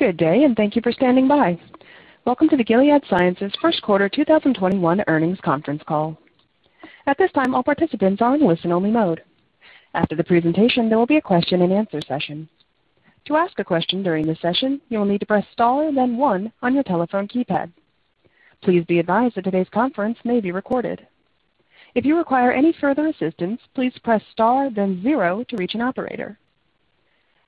Good day and thank you for standing by. Welcome to the Gilead Sciences first quarter 2021 earnings conference call. At this time, all participants are in a listen-only mode. After the presentation, there will be a question and answer session. To ask a question during the session, you will need to press star then one on your telephone keypad. Please be advised that today's conference may be recorded. If you require any further assistance, please press star then zero to reach an operator.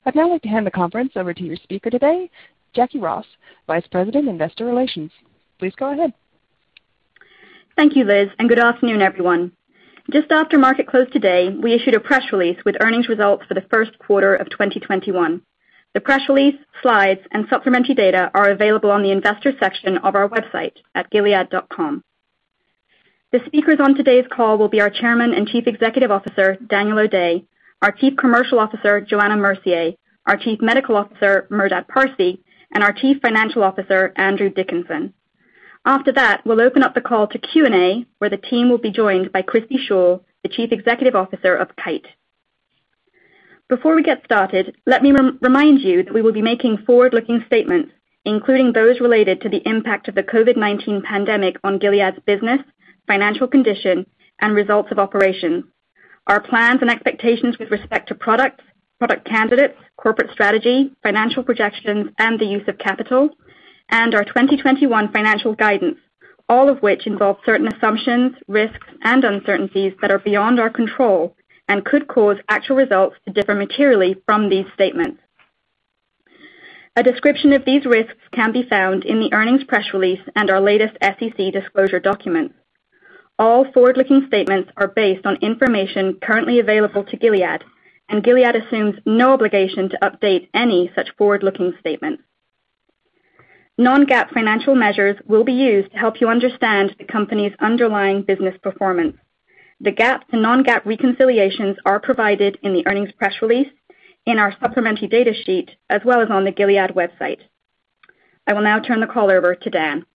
I'd now like to hand the conference over to your speaker today, Jacquie Ross, Vice President, Investor Relations. Please go ahead. Thank you, Liz, and good afternoon, everyone. Just after market close today, we issued a press release with earnings results for the first quarter of 2021. The press release, slides, and supplementary data are available on the investor section of our website at gilead.com. The speakers on today's call will be our Chairman and Chief Executive Officer, Daniel O'Day, our Chief Commercial Officer, Johanna Mercier, our Chief Medical Officer, Merdad Parsey, and our Chief Financial Officer, Andrew Dickinson. After that, we'll open up the call to Q&A, where the team will be joined by Christi Shaw, the Chief Executive Officer of Kite. Before we get started, let me remind you that we will be making forward-looking statements, including those related to the impact of the COVID-19 pandemic on Gilead's business, financial condition, and results of operations, our plans and expectations with respect to products, product candidates, corporate strategy, financial projections, and the use of capital, and our 2021 financial guidance, all of which involve certain assumptions, risks, and uncertainties that are beyond our control and could cause actual results to differ materially from these statements. A description of these risks can be found in the earnings press release and our latest SEC disclosure document. All forward-looking statements are based on information currently available to Gilead, and Gilead assumes no obligation to update any such forward-looking statements. Non-GAAP financial measures will be used to help you understand the company's underlying business performance. The GAAP to non-GAAP reconciliations are provided in the earnings press release, in our supplementary data sheet, as well as on the Gilead website. I will now turn the call over to Dan.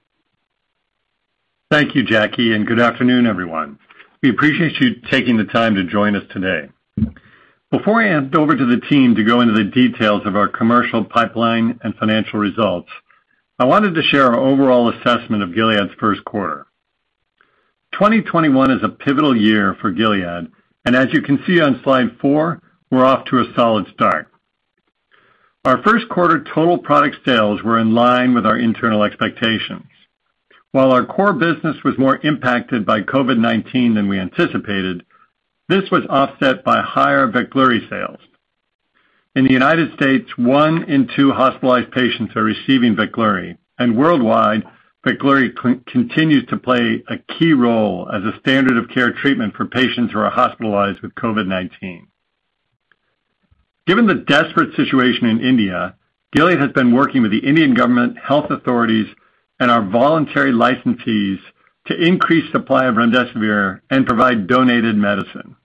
Thank you, Jacquie, good afternoon, everyone. We appreciate you taking the time to join us today. Before I hand over to the team to go into the details of our commercial pipeline and financial results, I wanted to share our overall assessment of Gilead's first quarter. 2021 is a pivotal year for Gilead, and as you can see on slide four, we're off to a solid start. Our first quarter total product sales were in line with our internal expectations. While our core business was more impacted by COVID-19 than we anticipated, this was offset by higher Veklury sales. In the U.S., one in two hospitalized patients are receiving Veklury, and worldwide, Veklury continues to play a key role as a standard of care treatment for patients who are hospitalized with COVID-19. Given the desperate situation in India, Gilead has been working with the Indian government health authorities and our voluntary licensees to increase supply of remdesivir and provide donated medicine.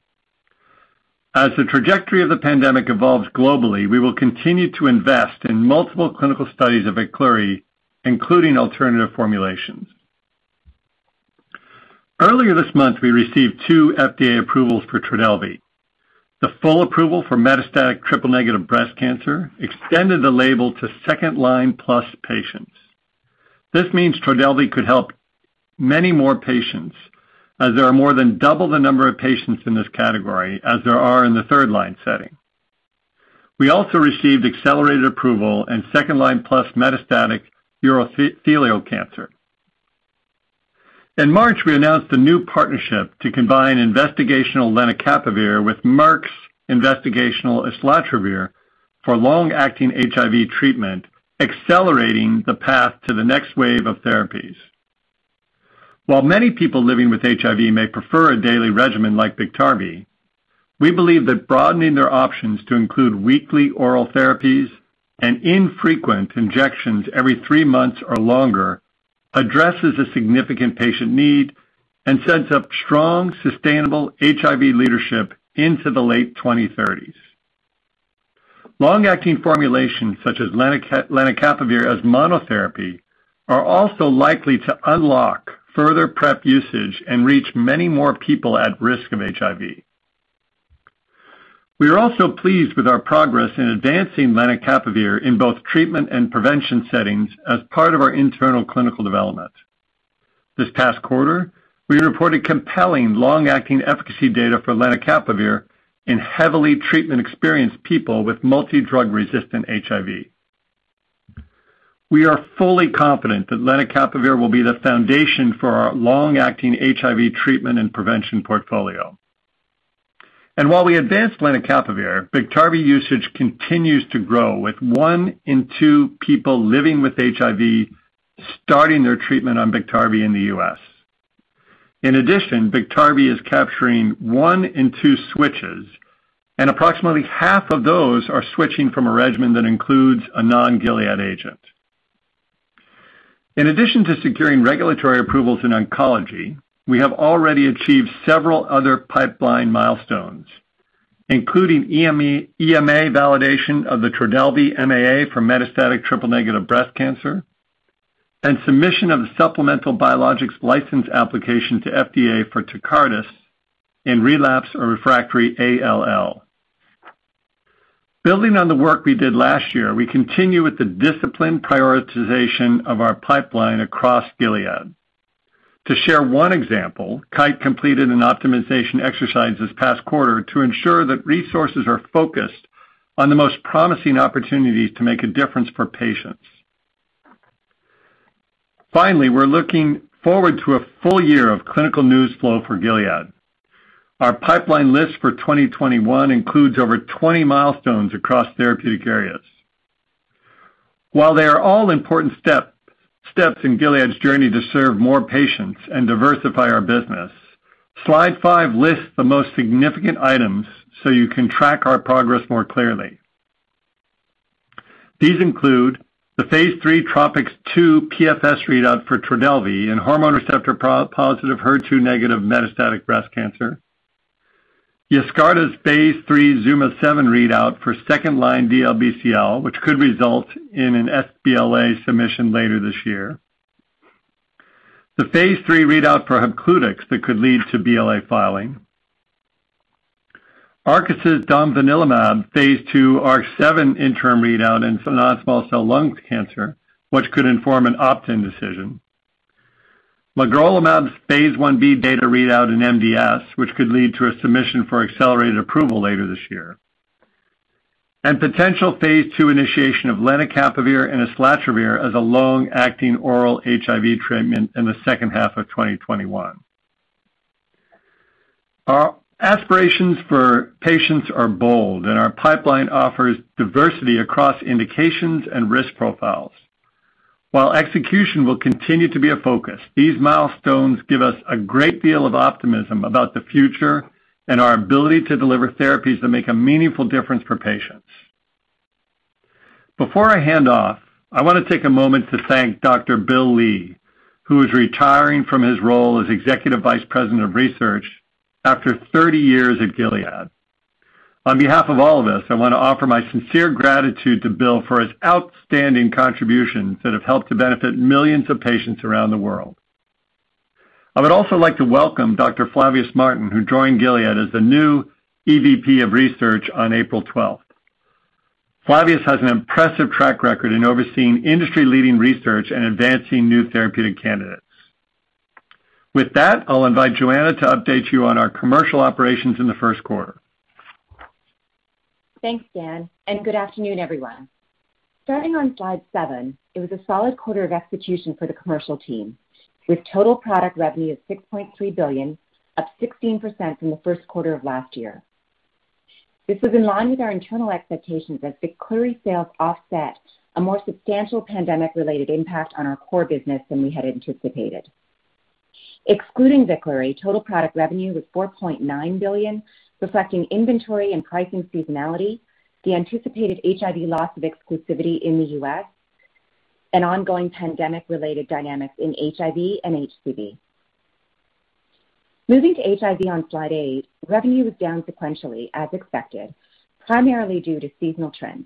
As the trajectory of the pandemic evolves globally, we will continue to invest in multiple clinical studies of Veklury, including alternative formulations. Earlier this month, we received two FDA approvals for TRODELVY. The full approval for metastatic triple-negative breast cancer extended the label to second-line-plus patients. This means TRODELVY could help many more patients, as there are more than double the number of patients in this category as there are in the third-line setting. We also received accelerated approval in second-line-plus metastatic urothelial cancer. In March, we announced a new partnership to combine investigational lenacapavir with Merck's investigational islatravir for long-acting HIV treatment, accelerating the path to the next wave of therapies. While many people living with HIV may prefer a daily regimen like Biktarvy, we believe that broadening their options to include weekly oral therapies and infrequent injections every three months or longer addresses a significant patient need and sets up strong, sustainable HIV leadership into the late 2030s. Long-acting formulations, such as lenacapavir as monotherapy, are also likely to unlock further PrEP usage and reach many more people at risk of HIV. We are also pleased with our progress in advancing lenacapavir in both treatment and prevention settings as part of our internal clinical development. This past quarter, we reported compelling long-acting efficacy data for lenacapavir in heavily treatment-experienced people with multi-drug-resistant HIV. We are fully confident that lenacapavir will be the foundation for our long-acting HIV treatment and prevention portfolio. While we advance lenacapavir, Biktarvy usage continues to grow, with one in two people living with HIV starting their treatment on Biktarvy in the U.S. In addition, Biktarvy is capturing one in two switches, and approximately half of those are switching from a regimen that includes a non-Gilead agent. In addition to securing regulatory approvals in oncology, we have already achieved several other pipeline milestones, including EMA validation of the TRODELVY MAA for metastatic triple-negative breast cancer and submission of a supplemental biologics license application to FDA for Tecartus in [relapsed] or refractory ALL. Building on the work we did last year, we continue with the disciplined prioritization of our pipeline across Gilead. To share one example, Kite completed an optimization exercise this past quarter to ensure that resources are focused on the most promising opportunities to make a difference for patients. We're looking forward to a full year of clinical news flow for Gilead. Our pipeline list for 2021 includes over 20 milestones across therapeutic areas. While they are all important steps, steps in Gilead's journey to serve more patients and diversify our business, slide five lists the most significant items so you can track our progress more clearly. These include the phase III TROPiCS-02 PFS readout for TRODELVY in hormone receptor-positive, HER2 negative metastatic breast cancer. YESCARTA's phase III ZUMA-7 readout for second-line DLBCL, which could result in an sBLA submission later this year. The phase III readout for Hepcludex that could lead to BLA filing. Arcus's domvanalimab phase II ARC-7 interim readout in non-small cell lung cancer, which could inform an opt-in decision. Magrolimab's phase I-B data readout in MDS, which could lead to a submission for accelerated approval later this year. Potential phase II initiation of lenacapavir and islatravir as a long-acting oral HIV treatment in the second half of 2021. Our aspirations for patients are bold, and our pipeline offers diversity across indications and risk profiles. While execution will continue to be a focus, these milestones give us a great deal of optimism about the future and our ability to deliver therapies that make a meaningful difference for patients. Before I hand off, I want to take a moment to thank Dr. Bill Lee, who is retiring from his role as Executive Vice President of Research after 30 years at Gilead. On behalf of all of us, I want to offer my sincere gratitude to Bill for his outstanding contributions that have helped to benefit millions of patients around the world. I would also like to welcome Dr. Flavius Martin, who joined Gilead as the new EVP of Research on April 12th. Flavius has an impressive track record in overseeing industry-leading research and advancing new therapeutic candidates. With that, I'll invite Johanna to update you on our commercial operations in the first quarter. Thanks, Dan, and good afternoon, everyone. Starting on slide seven, it was a solid quarter of execution for the commercial team, with total product revenue of $6.3 billion, up 16% from the first quarter of last year. This was in line with our internal expectations as Veklury sales offset a more substantial pandemic-related impact on our core business than we had anticipated. Excluding Veklury, total product revenue was $4.9 billion, reflecting inventory and pricing seasonality, the anticipated HIV loss of exclusivity in the U.S., and ongoing pandemic-related dynamics in HIV and HCV. Moving to HIV on slide eight, revenue was down sequentially as expected, primarily due to seasonal trends.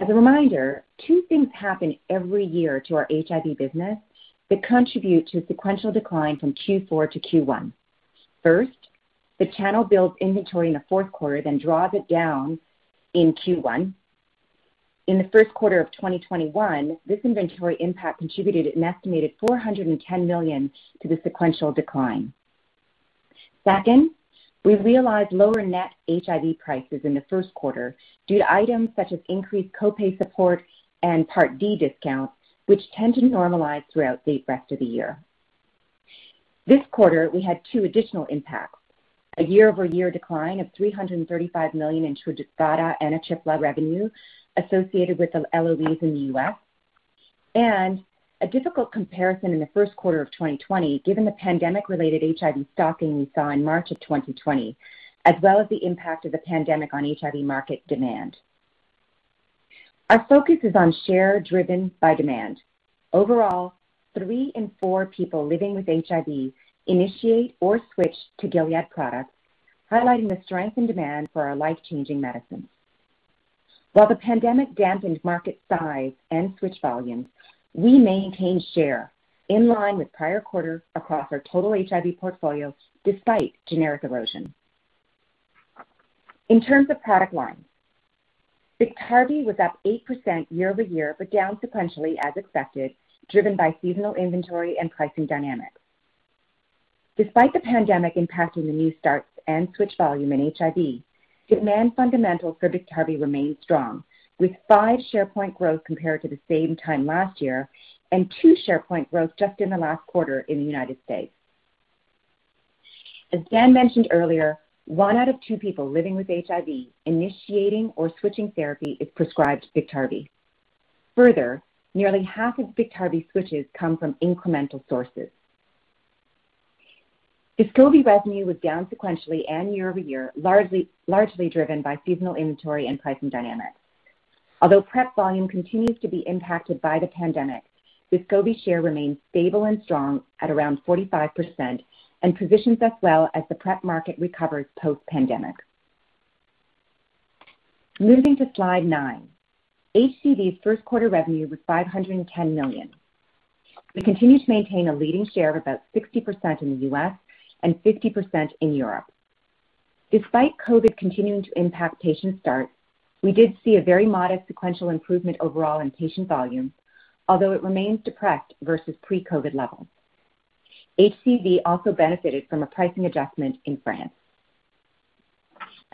As a reminder, two things happen every year to our HIV business that contribute to a sequential decline from Q4 to Q1. First, the channel builds inventory in the fourth quarter, then draws it down in Q1. In the first quarter of 2021, this inventory impact contributed an estimated $410 million to the sequential decline. Second, we realized lower net HIV prices in the first quarter due to items such as increased co-pay support and Part D discounts, which tend to normalize throughout the rest of the year. This quarter, we had two additional impacts, a year-over-year decline of $335 million in Truvada and ATRIPLA revenue associated with the LOEs in the U.S., and a difficult comparison in the first quarter of 2020, given the pandemic-related HIV stocking we saw in March of 2020, as well as the impact of the pandemic on HIV market demand. Our focus is on share driven by demand. Overall, three in four people living with HIV initiate or switch to Gilead products, highlighting the strength and demand for our life-changing medicines. While the pandemic dampened market size and switch volumes, we maintained share in line with prior quarters across our total HIV portfolio, despite generic erosion. In terms of product lines, Biktarvy was up 8% year-over-year, but down sequentially as expected, driven by seasonal inventory and pricing dynamics. Despite the pandemic impacting the new starts and switch volume in HIV, demand fundamentals for Biktarvy remain strong, with 5 share point growth compared to the same time last year and 2 share point growth just in the last quarter in the U.S. As Dan mentioned earlier, one out of two people living with HIV initiating or switching therapy is prescribed Biktarvy. Further, nearly half of Biktarvy switches come from incremental sources. Descovy revenue was down sequentially and year-over-year, largely driven by seasonal inventory and pricing dynamics. Although PrEP volume continues to be impacted by the pandemic, Descovy share remains stable and strong at around 45% and positions us well as the PrEP market recovers post-pandemic. Moving to slide nine. HCV's first quarter revenue was $510 million. We continue to maintain a leading share of about 60% in the U.S. and 50% in Europe. Despite COVID continuing to impact patient starts, we did see a very modest sequential improvement overall in patient volume, although it remains depressed versus pre-COVID levels. HCV also benefited from a pricing adjustment in France.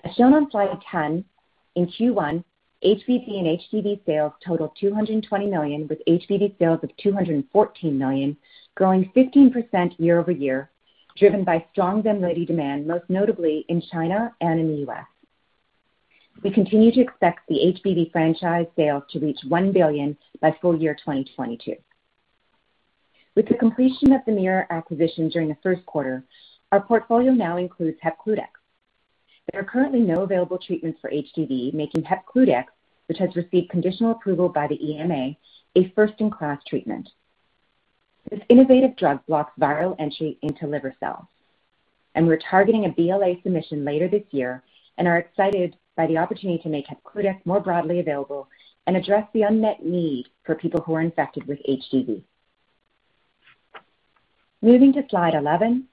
As shown on slide 10, in Q1, HBV and HDV sales totaled $220 million, with [HBV] sales of $214 million, growing 15% year-over-year, driven by strong Vemlidy demand, most notably in China and in the U.S. We continue to expect the HCV franchise sales to reach $1 billion by full year 2022. With the completion of the MYR acquisition during the first quarter, our portfolio now includes Hepcludex. There are currently no available treatments for HDV, making Hepcludex, which has received conditional approval by the EMA, a first-in-class treatment. This innovative drug blocks viral entry into liver cells, we're targeting a BLA submission later this year and are excited by the opportunity to make Hepcludex more broadly available and address the unmet need for people who are infected with HDV. Moving to slide 11.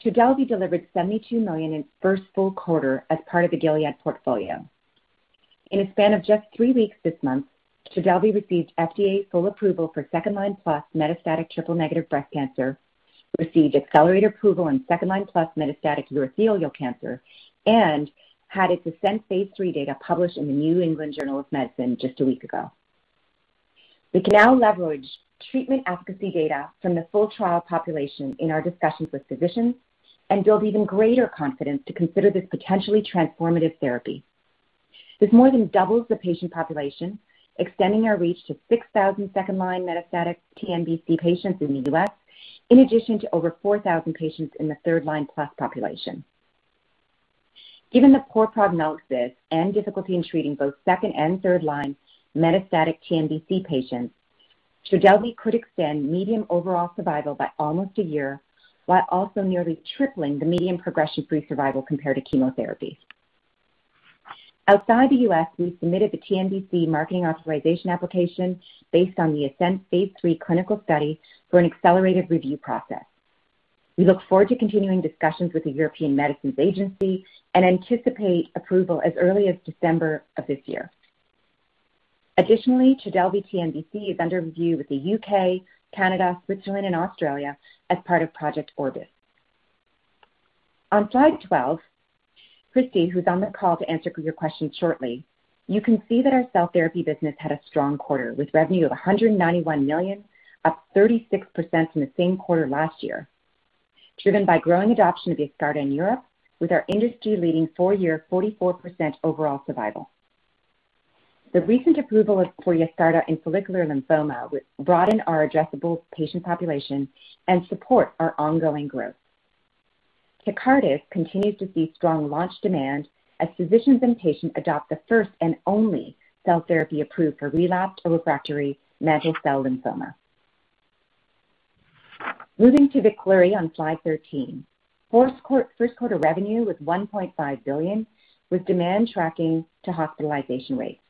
TRODELVY delivered $72 million in its first full quarter as part of the Gilead portfolio. In a span of just three weeks this month, TRODELVY received FDA full approval for second-line-plus metastatic triple-negative breast cancer, received accelerated approval in second-line-plus metastatic urothelial cancer, had its ASCENT-3 phase III data published in "The New England Journal of Medicine" just a week ago. We can now leverage treatment efficacy data from the full trial population in our discussions with physicians and build even greater confidence to consider this potentially transformative therapy. This more than doubles the patient population, extending our reach to 6,000 second-line metastatic TNBC patients in the U.S., in addition to over 4,000 patients in the third-line-plus population. Given the poor prognosis and difficulty in treating both second and third-line metastatic TNBC patients, TRODELVY could extend median overall survival by almost a year, while also nearly tripling the median progression-free survival compared to chemotherapy. Outside the U.S., we've submitted the TNBC Marketing Authorization Application based on the ASCENT-3 phase III clinical study for an accelerated review process. We look forward to continuing discussions with the European Medicines Agency and anticipate approval as early as December of this year. Additionally, TRODELVY TNBC is under review with the U.K., Canada, Switzerland, and Australia as part of Project Orbis. On slide 12, Christi, who's on the call to answer your questions shortly, you can see that our cell therapy business had a strong quarter, with revenue of $191 million, up 36% from the same quarter last year, driven by growing adoption of YESCARTA in Europe with our industry-leading four-year 44% overall survival. The recent approval for YESCARTA in follicular lymphoma will broaden our addressable patient population and support our ongoing growth. Tecartus continues to see strong launch demand as physicians and patients adopt the first and only cell therapy approved for relapsed or refractory mantle cell lymphoma. Moving to Veklury on slide 13. First quarter revenue was $1.5 billion, with demand tracking to hospitalization rates.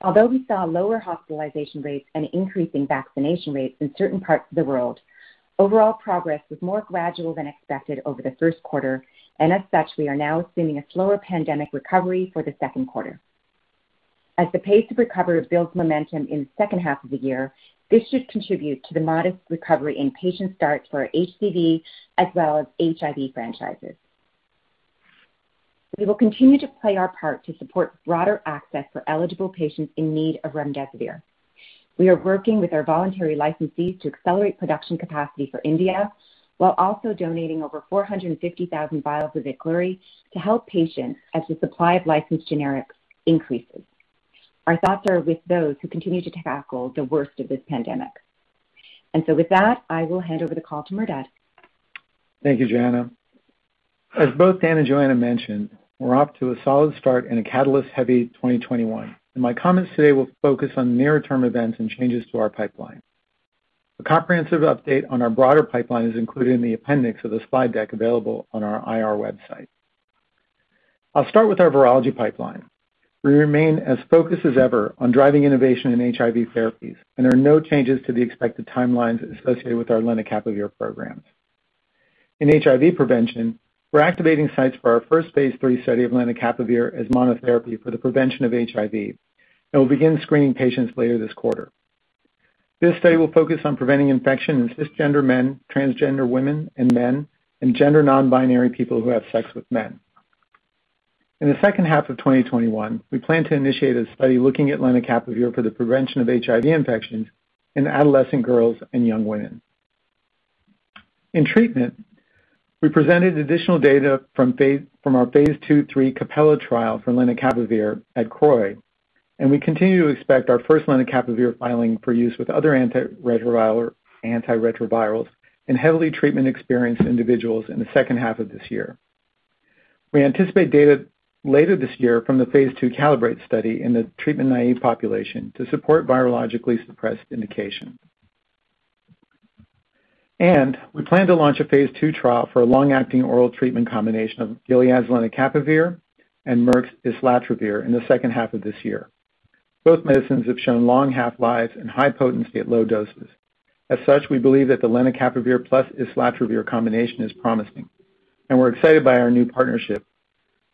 Although we saw lower hospitalization rates and increasing vaccination rates in certain parts of the world, overall progress was more gradual than expected over the first quarter, and as such, we are now assuming a slower pandemic recovery for the second quarter. As the pace of recovery builds momentum in the second half of the year, this should contribute to the modest recovery in patient starts for our HCV as well as HIV franchises. We will continue to play our part to support broader access for eligible patients in need of remdesivir. We are working with our voluntary licensees to accelerate production capacity for India while also donating over 450,000 vials of Veklury to help patients as the supply of licensed generics increases. Our thoughts are with those who continue to tackle the worst of this pandemic. With that, I will hand over the call to Merdad. Thank you, Johanna. As both Dan and Johanna mentioned, we're off to a solid start and a catalyst-heavy 2021, and my comments today will focus on near-term events and changes to our pipeline. A comprehensive update on our broader pipeline is included in the appendix of the slide deck available on our IR website. I'll start with our Virology pipeline. We remain as focused as ever on driving innovation in HIV therapies and there are no changes to the expected timelines associated with our lenacapavir programs. In HIV prevention, we're activating sites for our first phase III study of lenacapavir as monotherapy for the prevention of HIV, and we'll begin screening patients later this quarter. This study will focus on preventing infection in cisgender men, transgender women and men, and gender non-binary people who have sex with men. In the second half of 2021, we plan to initiate a study looking at lenacapavir for the prevention of HIV infections in adolescent girls and young women. In treatment, we presented additional data from our phase II/III CAPELLA trial for lenacapavir at CROI, and we continue to expect our first lenacapavir filing for use with other antiretrovirals in heavily treatment-experienced individuals in the second half of this year. We anticipate data later this year from the phase II CALIBRATE study in the treatment-naive population to support virologically suppressed indication. We plan to launch a phase II trial for a long-acting oral treatment combination of Gilead's lenacapavir and Merck's islatravir in the second half of this year. Both medicines have shown long half-lives and high potency at low doses. As such, we believe that the lenacapavir plus islatravir combination is promising, and we're excited by our new partnership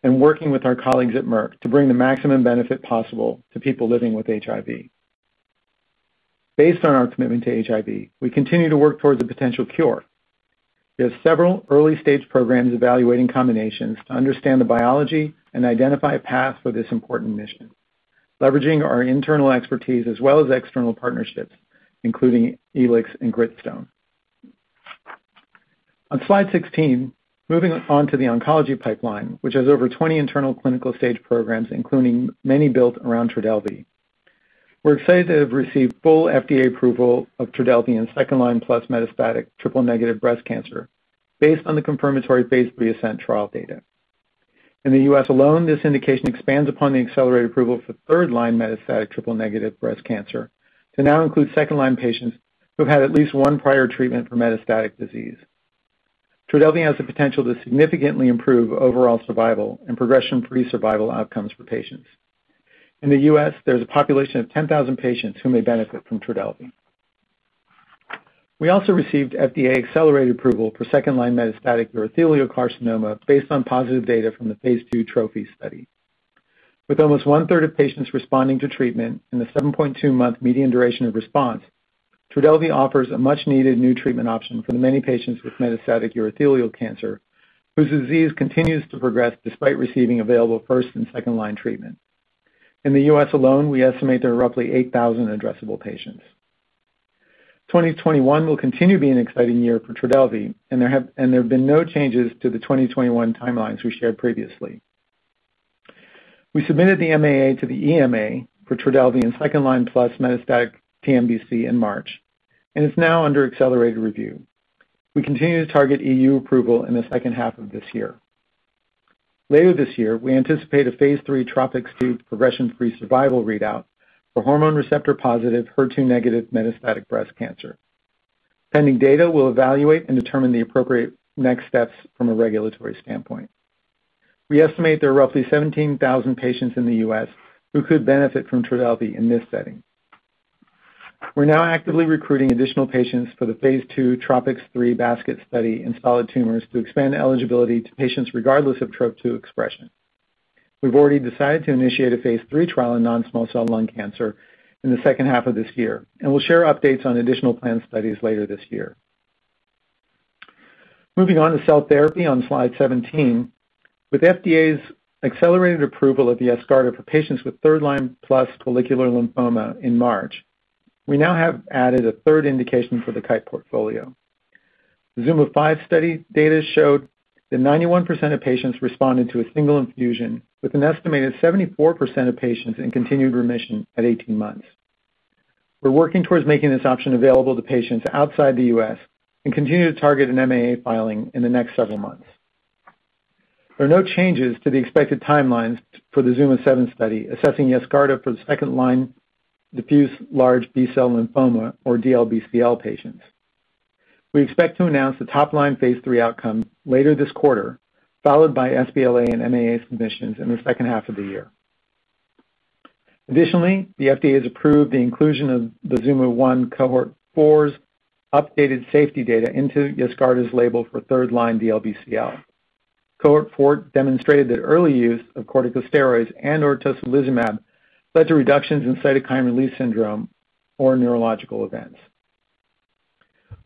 and working with our colleagues at Merck to bring the maximum benefit possible to people living with HIV. Based on our commitment to HIV, we continue to work towards a potential cure. We have several early-stage programs evaluating combinations to understand the biology and identify a path for this important mission, leveraging our internal expertise as well as external partnerships, including Elion and Gritstone. On slide 16, moving on to the oncology pipeline, which has over 20 internal clinical stage programs, including many built around TRODELVY. We're excited to have received full FDA approval of TRODELVY in second-line plus metastatic triple-negative breast cancer based on the confirmatory phase III ASCENT trial data. In the U.S. alone, this indication expands upon the accelerated approval for third-line metastatic triple-negative breast cancer to now include second-line patients who have had at least one prior treatment for metastatic disease. TRODELVY has the potential to significantly improve overall survival and progression-free survival outcomes for patients. In the U.S., there's a population of 10,000 patients who may benefit from TRODELVY. We also received FDA-accelerated approval for second-line metastatic urothelial carcinoma based on positive data from the phase II TROPHY study. With almost 1/3 of patients responding to treatment in the 7.2-month median duration of response, TRODELVY offers a much-needed new treatment option for the many patients with metastatic urothelial cancer whose disease continues to progress despite receiving available first and second-line treatment. In the U.S. alone, we estimate there are roughly 8,000 addressable patients. 2021 will continue to be an exciting year for TRODELVY, and there have been no changes to the 2021 timelines we shared previously. We submitted the MAA to the EMA for TRODELVY in second-line plus metastatic TNBC in March, and it's now under accelerated review. We continue to target EU approval in the second half of this year. Later this year, we anticipate a phase III TROPiCS-02 progression-free survival readout for hormone receptor-positive, HER2 negative metastatic breast cancer. Pending data, we'll evaluate and determine the appropriate next steps from a regulatory standpoint. We estimate there are roughly 17,000 patients in the U.S. who could benefit from TRODELVY in this setting. We're now actively recruiting additional patients for the phase II TROPiCS-03 basket study in solid tumors to expand eligibility to patients regardless of Trop-2 expression. We've already decided to initiate a phase III trial in non-small cell lung cancer in the second half of this year, and we'll share updates on additional planned studies later this year. Moving on to cell therapy on slide 17. With FDA's accelerated approval of YESCARTA for patients with third-line plus follicular lymphoma in March, we now have added a third indication for the Kite portfolio. The ZUMA-5 study data showed that 91% of patients responded to a single infusion, with an estimated 74% of patients in continued remission at 18 months. We're working towards making this option available to patients outside the U.S. and continue to target an MAA filing in the next several months. There are no changes to the expected timelines for the ZUMA-7 study assessing YESCARTA for the second-line diffuse large B-cell lymphoma or DLBCL patients. We expect to announce the top-line phase III outcome later this quarter, followed by sBLA and MAA submissions in the second half of the year. Additionally, the FDA has approved the inclusion of the ZUMA-1 cohort 4's updated safety data into YESCARTA's label for third-line DLBCL. Cohort 4 demonstrated that early use of corticosteroids and/or tocilizumab led to reductions in cytokine release syndrome or neurological events.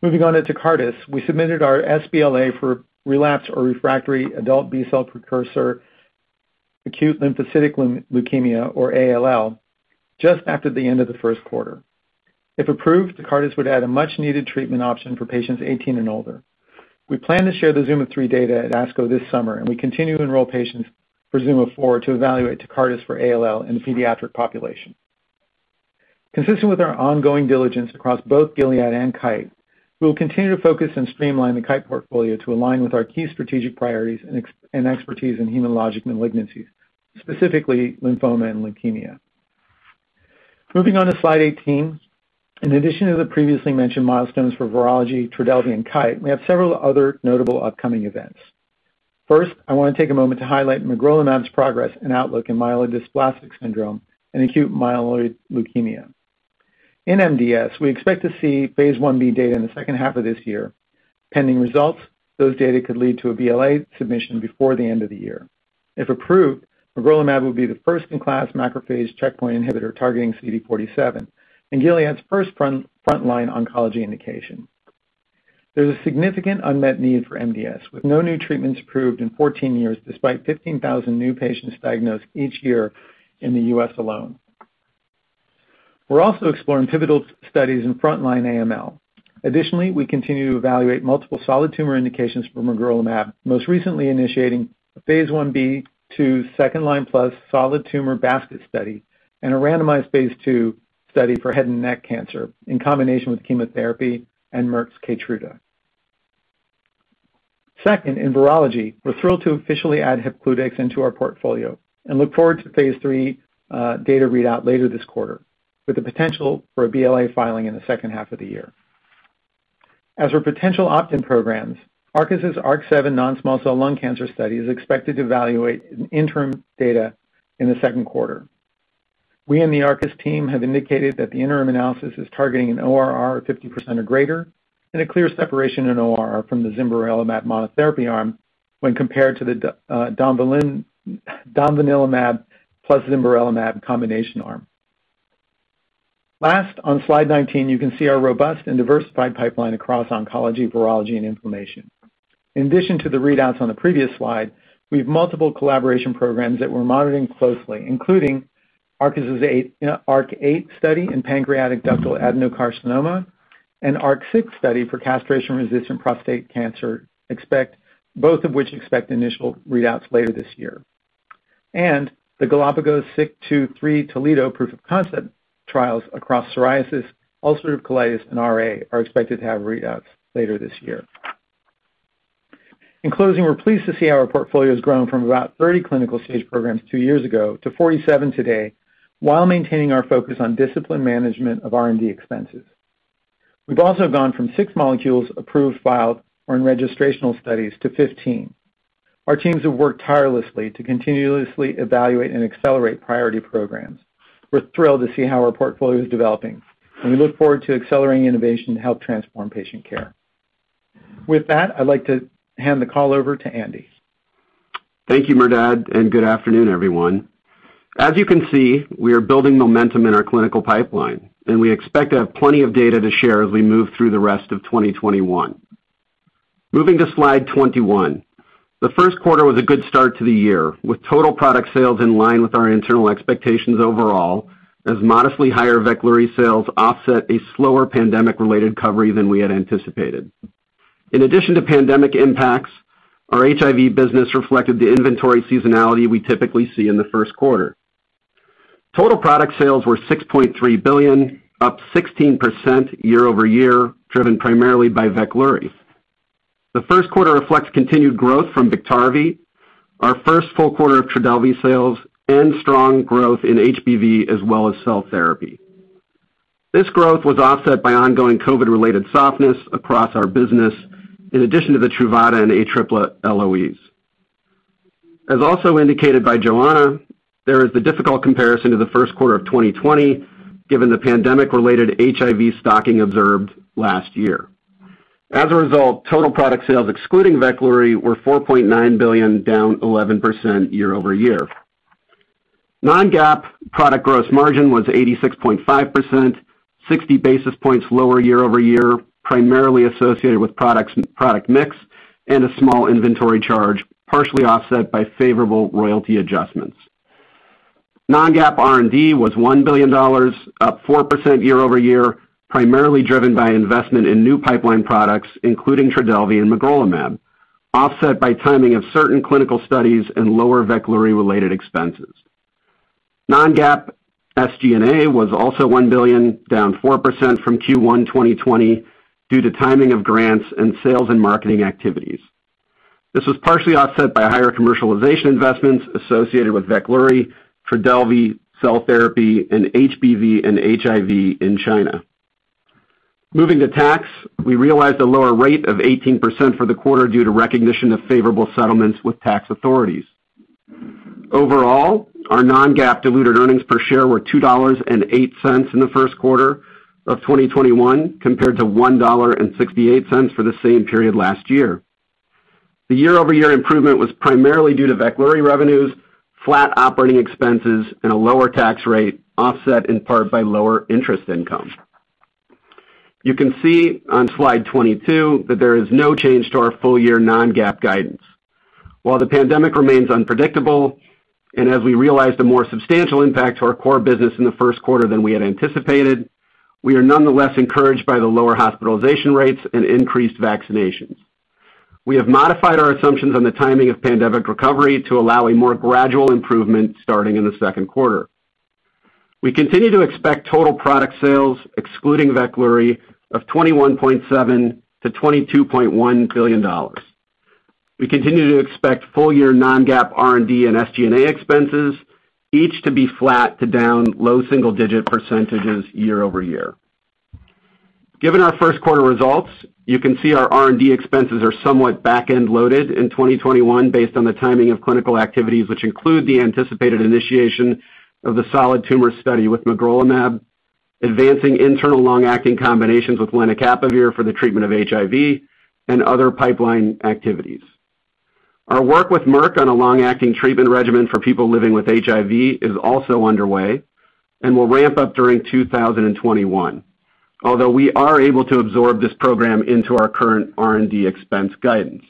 Moving on to Tecartus, we submitted our sBLA for relapsed or refractory adult B-cell precursor acute lymphocytic leukemia, or ALL, just after the end of the first quarter. If approved, Tecartus would add a much-needed treatment option for patients 18 and older. We plan to share the ZUMA-3 data at ASCO this summer, and we continue to enroll patients for ZUMA-4 to evaluate Tecartus for ALL in the pediatric population. Consistent with our ongoing diligence across both Gilead and Kite, we will continue to focus and streamline the Kite portfolio to align with our key strategic priorities and expertise in hematologic malignancies, specifically lymphoma and leukemia. Moving on to slide 18. In addition to the previously mentioned milestones for Virology, TRODELVY, and Kite, we have several other notable upcoming events. First, I want to take a moment to highlight magrolimab's progress and outlook in myelodysplastic syndrome and acute myeloid leukemia. In MDS, we expect to see phase I-B data in the second half of this year. Pending results, those data could lead to a BLA submission before the end of the year. If approved, magrolimab will be the first-in-class macrophage checkpoint inhibitor targeting CD47 and Gilead's first frontline oncology indication. There's a significant unmet need for MDS, with no new treatments approved in 14 years, despite 15,000 new patients diagnosed each year in the U.S. alone. We're also exploring pivotal studies in frontline AML. Additionally, we continue to evaluate multiple solid tumor indications for magrolimab, most recently initiating a phase I-B to second-line plus solid tumor basket study and a randomized phase II study for head and neck cancer in combination with chemotherapy and Merck's KEYTRUDA. Second, in Virology, we're thrilled to officially add Hepcludex into our portfolio and look forward to phase III data readout later this quarter, with the potential for a BLA filing in the second half of the year. As for potential opt-in programs, Arcus' ARC-7 non-small cell lung cancer study is expected to evaluate an interim data in the second quarter. We and the Arcus team have indicated that the interim analysis is targeting an ORR 50% or greater and a clear separation in ORR from the zimberelimab monotherapy arm when compared to the domvanalimab plus zimberelimab combination arm. Last, on slide 19, you can see our robust and diversified pipeline across oncology, virology, and inflammation. In addition to the readouts on the previous slide, we have multiple collaboration programs that we're monitoring closely, including Arcus' ARC-8 study in pancreatic ductal adenocarcinoma and ARC-6 study for castration-resistant prostate cancer, both of which expect initial readouts later this year. The Galapagos SIK2/3 Toledo proof-of-concept trials across psoriasis, ulcerative colitis, and RA are expected to have readouts later this year. In closing, we're pleased to see how our portfolio has grown from about 30 clinical stage programs two years ago to 47 today, while maintaining our focus on disciplined management of R&D expenses. We've also gone from six molecules approved, filed, or in registrational studies to 15. Our teams have worked tirelessly to continuously evaluate and accelerate priority programs. We're thrilled to see how our portfolio is developing, and we look forward to accelerating innovation to help transform patient care. With that, I'd like to hand the call over to Andy. Thank you, Merdad. Good afternoon, everyone. As you can see, we are building momentum in our clinical pipeline. We expect to have plenty of data to share as we move through the rest of 2021. Moving to slide 21. The first quarter was a good start to the year, with total product sales in line with our internal expectations overall, as modestly higher Veklury sales offset a slower pandemic-related recovery than we had anticipated. In addition to pandemic impacts, our HIV business reflected the inventory seasonality we typically see in the first quarter. Total product sales were $6.3 billion, up 16% year-over-year, driven primarily by Veklury. The first quarter reflects continued growth from Biktarvy, our first full quarter of TRODELVY sales, strong growth in HBV as well as cell therapy. This growth was offset by ongoing COVID-related softness across our business, in addition to the Truvada and ATRIPLA LOEs. As also indicated by Johanna, there is the difficult comparison to the first quarter of 2020, given the pandemic-related HIV stocking observed last year. As a result, total product sales excluding Veklury were $4.9 billion, down 11% year-over-year. non-GAAP product gross margin was 86.5%, 60 basis points lower year-over-year, primarily associated with product mix and a small inventory charge, partially offset by favorable royalty adjustments. non-GAAP R&D was $1 billion, up 4% year-over-year, primarily driven by investment in new pipeline products, including TRODELVY and magrolimab, offset by timing of certain clinical studies and lower Veklury-related expenses. non-GAAP SG&A was also $1 billion, down 4% from Q1 2020 due to timing of grants and sales and marketing activities. This was partially offset by higher commercialization investments associated with Veklury, TRODELVY, cell therapy, and HBV and HIV in China. Moving to tax, we realized a lower rate of 18% for the quarter due to recognition of favorable settlements with tax authorities. Overall, our non-GAAP diluted earnings per share were $2.08 in the first quarter of 2021 compared to $1.68 for the same period last year. The year-over-year improvement was primarily due to Veklury revenues, flat operating expenses, and a lower tax rate, offset in part by lower interest income. You can see on slide 22 that there is no change to our full-year non-GAAP guidance. While the pandemic remains unpredictable and as we realize the more substantial impact to our core business in the first quarter than we had anticipated, we are nonetheless encouraged by the lower hospitalization rates and increased vaccinations. We have modified our assumptions on the timing of pandemic recovery to allow a more gradual improvement starting in the second quarter. We continue to expect total product sales, excluding Veklury, of $21.7 billion-$22.1 billion. We continue to expect full-year non-GAAP R&D and SG&A expenses each to be flat to down low single-digit percentages year-over-year. Given our first quarter results, you can see our R&D expenses are somewhat back-end loaded in 2021 based on the timing of clinical activities, which include the anticipated initiation of the solid tumor study with magrolimab, advancing internal long-acting combinations with lenacapavir for the treatment of HIV, and other pipeline activities. Our work with Merck on a long-acting treatment regimen for people living with HIV is also underway and will ramp up during 2021. We are able to absorb this program into our current R&D expense guidance.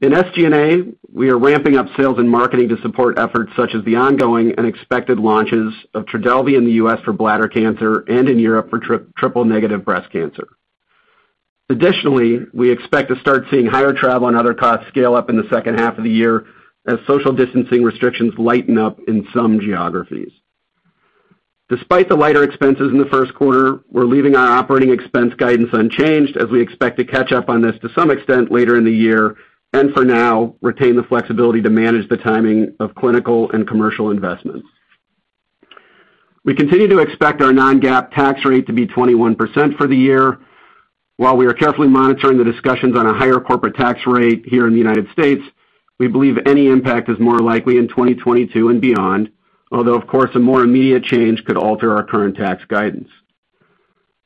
In SG&A, we are ramping up sales and marketing to support efforts such as the ongoing and expected launches of TRODELVY in the U.S. for bladder cancer and in Europe for triple-negative breast cancer. Additionally, we expect to start seeing higher travel and other costs scale up in the second half of the year as social distancing restrictions lighten up in some geographies. Despite the lighter expenses in the first quarter, we're leaving our operating expense guidance unchanged as we expect to catch up on this to some extent later in the year, and for now, retain the flexibility to manage the timing of clinical and commercial investments. We continue to expect our non-GAAP tax rate to be 21% for the year. While we are carefully monitoring the discussions on a higher corporate tax rate here in the United States, we believe any impact is more likely in 2022 and beyond, although, of course, a more immediate change could alter our current tax guidance.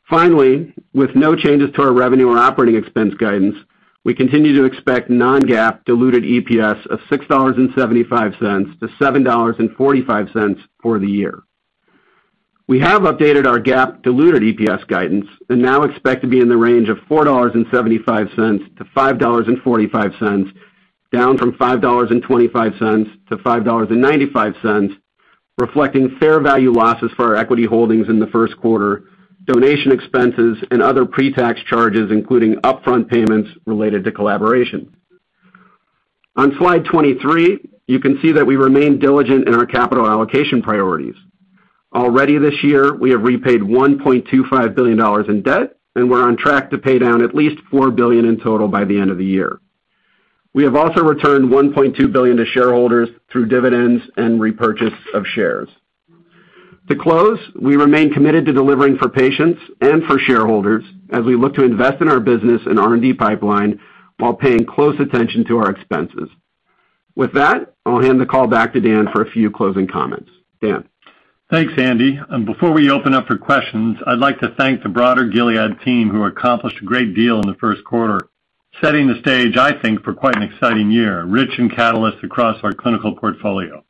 Finally, with no changes to our revenue or operating expense guidance, we continue to expect non-GAAP diluted EPS of $6.75-$7.45 for the year. We have updated our GAAP diluted EPS guidance and now expect to be in the range of $4.75-$5.45, down from $5.25-$5.95, reflecting fair value losses for our equity holdings in the first quarter, donation expenses and other pre-tax charges, including upfront payments related to collaboration. On slide 23, you can see that we remain diligent in our capital allocation priorities. Already this year, we have repaid $1.25 billion in debt. We're on track to pay down at least $4 billion in total by the end of the year. We have also returned $1.2 billion to shareholders through dividends and repurchase of shares. To close, we remain committed to delivering for patients and for shareholders as we look to invest in our business and R&D pipeline while paying close attention to our expenses. With that, I'll hand the call back to Dan for a few closing comments. Dan? Thanks, Andy. Before we open up for questions, I'd like to thank the broader Gilead team who accomplished a great deal in the first quarter, setting the stage, I think, for quite an exciting year, rich in catalysts across our clinical portfolio.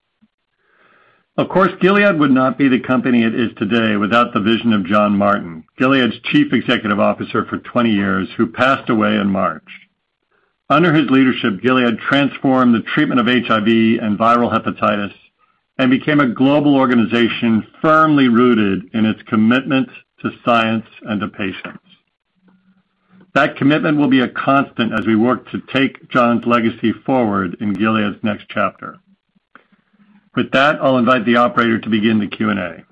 Of course, Gilead would not be the company it is today without the vision of John Martin, Gilead's Chief Executive Officer for 20 years, who passed away in March. Under his leadership, Gilead transformed the treatment of HIV and viral hepatitis and became a global organization firmly rooted in its commitment to science and to patients. That commitment will be a constant as we work to take John's legacy forward in Gilead's next chapter. With that, I'll invite the operator to begin the Q&A.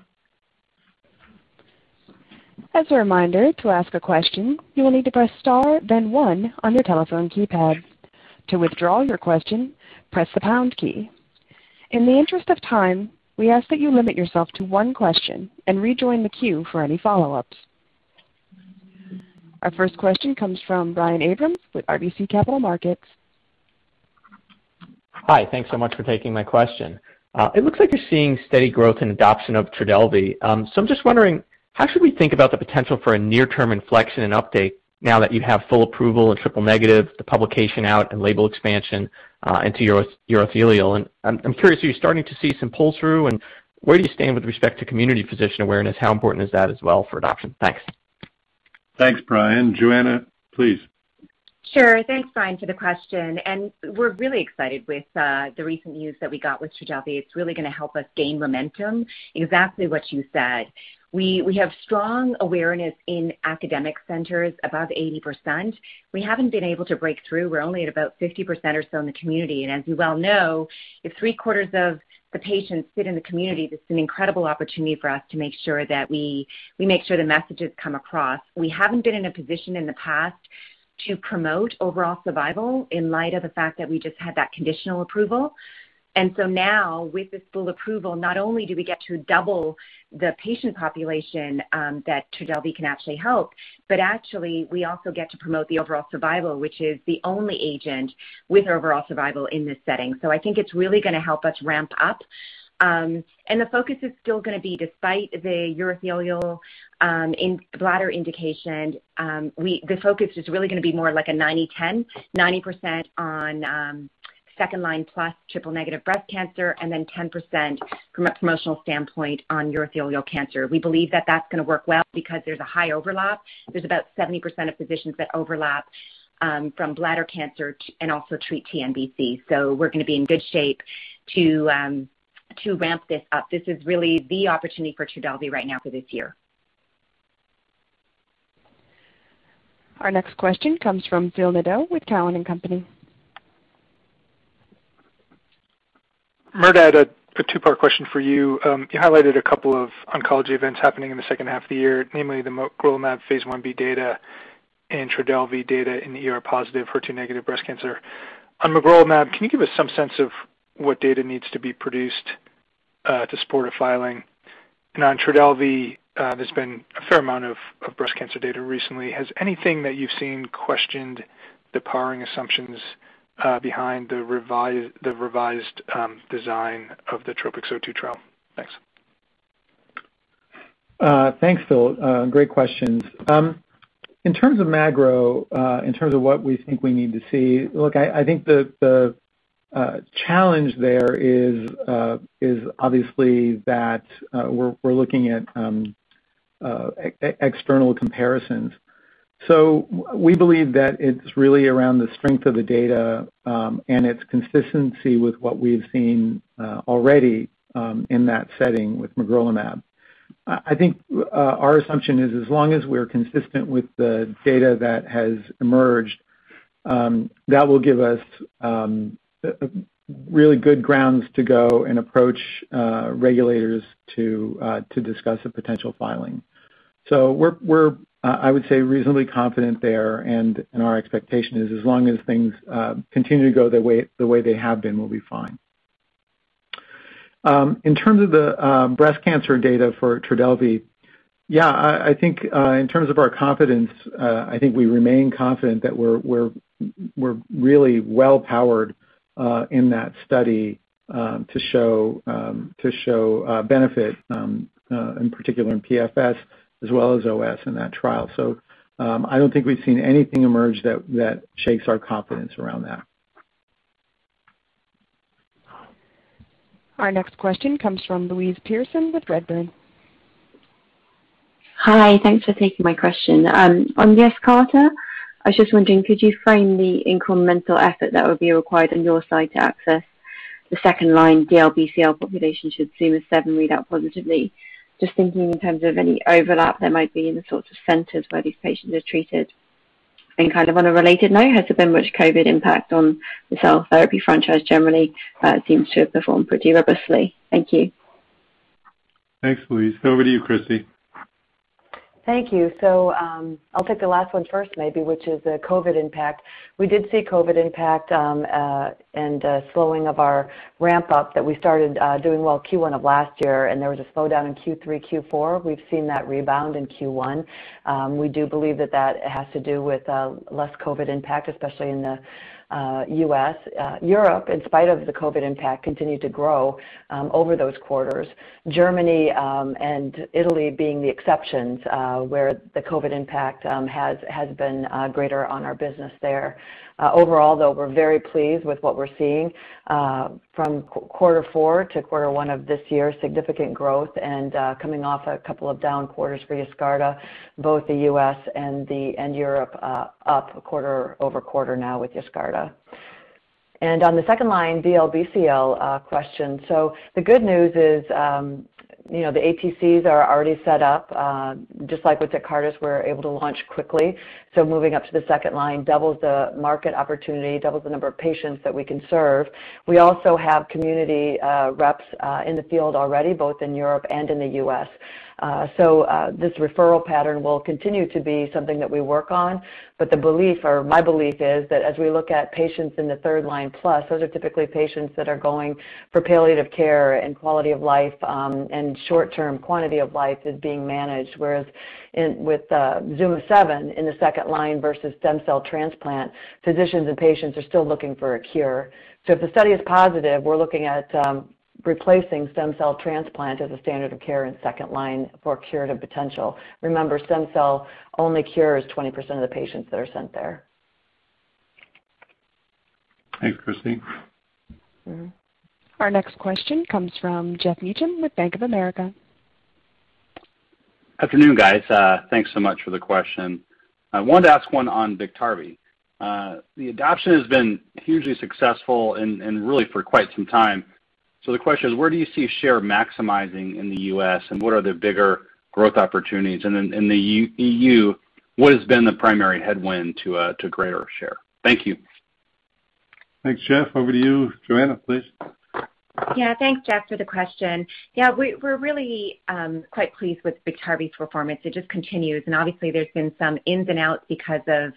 As a reminder, to ask a question, you will need to press star then one on your telephone keypad. To withdraw your question, press the pound key. In the interest of time, we ask that you limit yourself to one question and rejoin the queue for any follow-ups. Our first question comes from Brian Abrahams with RBC Capital Markets. Hi. Thanks so much for taking my question. It looks like you're seeing steady growth and adoption of TRODELVY. I'm just wondering how should we think about the potential for a near-term inflection and update now that you have full approval in triple-negative, the publication out and label expansion into urothelial. I'm curious, are you starting to see some pull-through? Where do you stand with respect to community physician awareness? How important is that as well for adoption? Thanks. Thanks, Brian. Johanna, please. Sure. Thanks, Brian, for the question. We're really excited with the recent news that we got with TRODELVY. It's really going to help us gain momentum. Exactly what you said. We have strong awareness in academic centers, above 80%. We haven't been able to break through. We're only at about 50% or so in the community. As you well know, if three-quarters of the patients sit in the community, that's an incredible opportunity for us to make sure that we make sure the messages come across. We haven't been in a position in the past to promote overall survival in light of the fact that we just had that conditional approval. Now with this full approval, not only do we get to double the patient population that TRODELVY can actually help, but actually we also get to promote the overall survival, which is the only agent with overall survival in this setting. I think it's really going to help us ramp up. The focus is still going to be despite the urothelial bladder indication, the focus is really going to be more like a 90/10, 90% on second-line plus triple-negative breast cancer, and then 10% from a promotional standpoint on urothelial cancer. We believe that that's going to work well because there's a high overlap. There's about 70% of physicians that overlap from bladder cancer and also treat TNBC. We're going to be in good shape to ramp this up. This is really the opportunity for TRODELVY right now for this year. Our next question comes from Phil Nadeau with Cowen and Company. Merdad, I had a two-part question for you. You highlighted a couple of oncology events happening in the second half of the year, namely the magrolimab phase I-B data and TRODELVY data in the ER-positive, HER2-negative breast cancer. On magrolimab, can you give us some sense of what data needs to be produced to support a filing? On TRODELVY, there's been a fair amount of breast cancer data recently. Has anything that you've seen questioned the powering assumptions behind the revised design of the TROPiCS-02 trial? Thanks. Thanks, Phil. Great questions. In terms of magrolimab, in terms of what we think we need to see, look, I think the challenge there is obviously that we're looking at external comparisons. We believe that it's really around the strength of the data and its consistency with what we've seen already in that setting with magrolimab. I think our assumption is as long as we're consistent with the data that has emerged That will give us really good grounds to go and approach regulators to discuss a potential filing. We're, I would say, reasonably confident there, and our expectation is as long as things continue to go the way they have been, we'll be fine. In terms of the breast cancer data for TRODELVY, I think in terms of our confidence, I think we remain confident that we're really well powered in that study to show benefit, in particular in PFS as well as OS in that trial. I don't think we've seen anything emerge that shakes our confidence around that. Our next question comes from Louise Pearson with Redburn. Hi, thanks for taking my question. On YESCARTA, I was just wondering, could you frame the incremental effort that would be required on your side to access the second-line DLBCL population should ZUMA-7 read out positively? Just thinking in terms of any overlap there might be in the sorts of centers where these patients are treated. Kind of on a related note, has there been much COVID impact on the cell therapy franchise generally? Seems to have performed pretty robustly. Thank you. Thanks, Louise. Over to you, Christi. Thank you. I'll take the last one first maybe, which is the COVID impact. We did see COVID impact and a slowing of our ramp-up that we started doing well Q1 of last year, and there was a slowdown in Q3, Q4. We've seen that rebound in Q1. We do believe that that has to do with less COVID impact, especially in the U.S. Europe, in spite of the COVID impact, continued to grow over those quarters. Germany and Italy being the exceptions, where the COVID impact has been greater on our business there. Overall, though, we're very pleased with what we're seeing from quarter four to quarter one of this year, significant growth and coming off a couple of down quarters for YESCARTA, both the U.S. and Europe up quarter-over-quarter now with YESCARTA. On the second line DLBCL question, the good news is the ATCs are already set up. Just like with the CAR T-cells we're able to launch quickly. Moving up to the second line doubles the market opportunity, doubles the number of patients that we can serve. We also have community reps in the field already, both in Europe and in the U.S. This referral pattern will continue to be something that we work on, but the belief, or my belief is that as we look at patients in the third-line-plus, those are typically patients that are going for palliative care and quality of life, and short-term quantity of life is being managed, whereas with ZUMA-7 in the second line versus stem cell transplant, physicians and patients are still looking for a cure. If the study is positive, we're looking at replacing stem cell transplant as a standard of care in second line for curative potential. Remember, stem cell only cures 20% of the patients that are sent there. Thanks, Christi. Our next question comes from Geoff Meacham with Bank of America. Afternoon, guys. Thanks so much for the question. I wanted to ask one on Biktarvy. The adoption has been hugely successful and really for quite some time. The question is, where do you see share maximizing in the U.S., and what are the bigger growth opportunities? In the EU, what has been the primary headwind to greater share? Thank you. Thanks, Geoff. Over to you, Johanna, please. Yeah. Thanks, Geoff, for the question. Yeah, we're really quite pleased with Biktarvy's performance. It just continues, and obviously there's been some ins and outs because of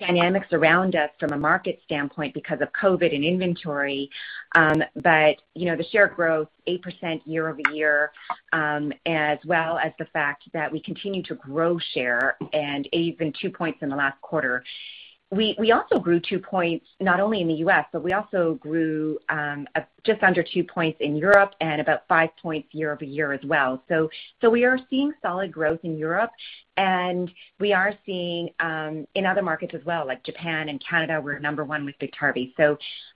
dynamics around us from a market standpoint because of COVID and inventory. The share growth, 8% year-over-year, as well as the fact that we continue to grow share and even 2 points in the last quarter. We also grew 2 points not only in the U.S., but we also grew just under 2 points in Europe and about 5 points year-over-year as well. We are seeing solid growth in Europe, and we are seeing in other markets as well, like Japan and Canada, we're number one with Biktarvy.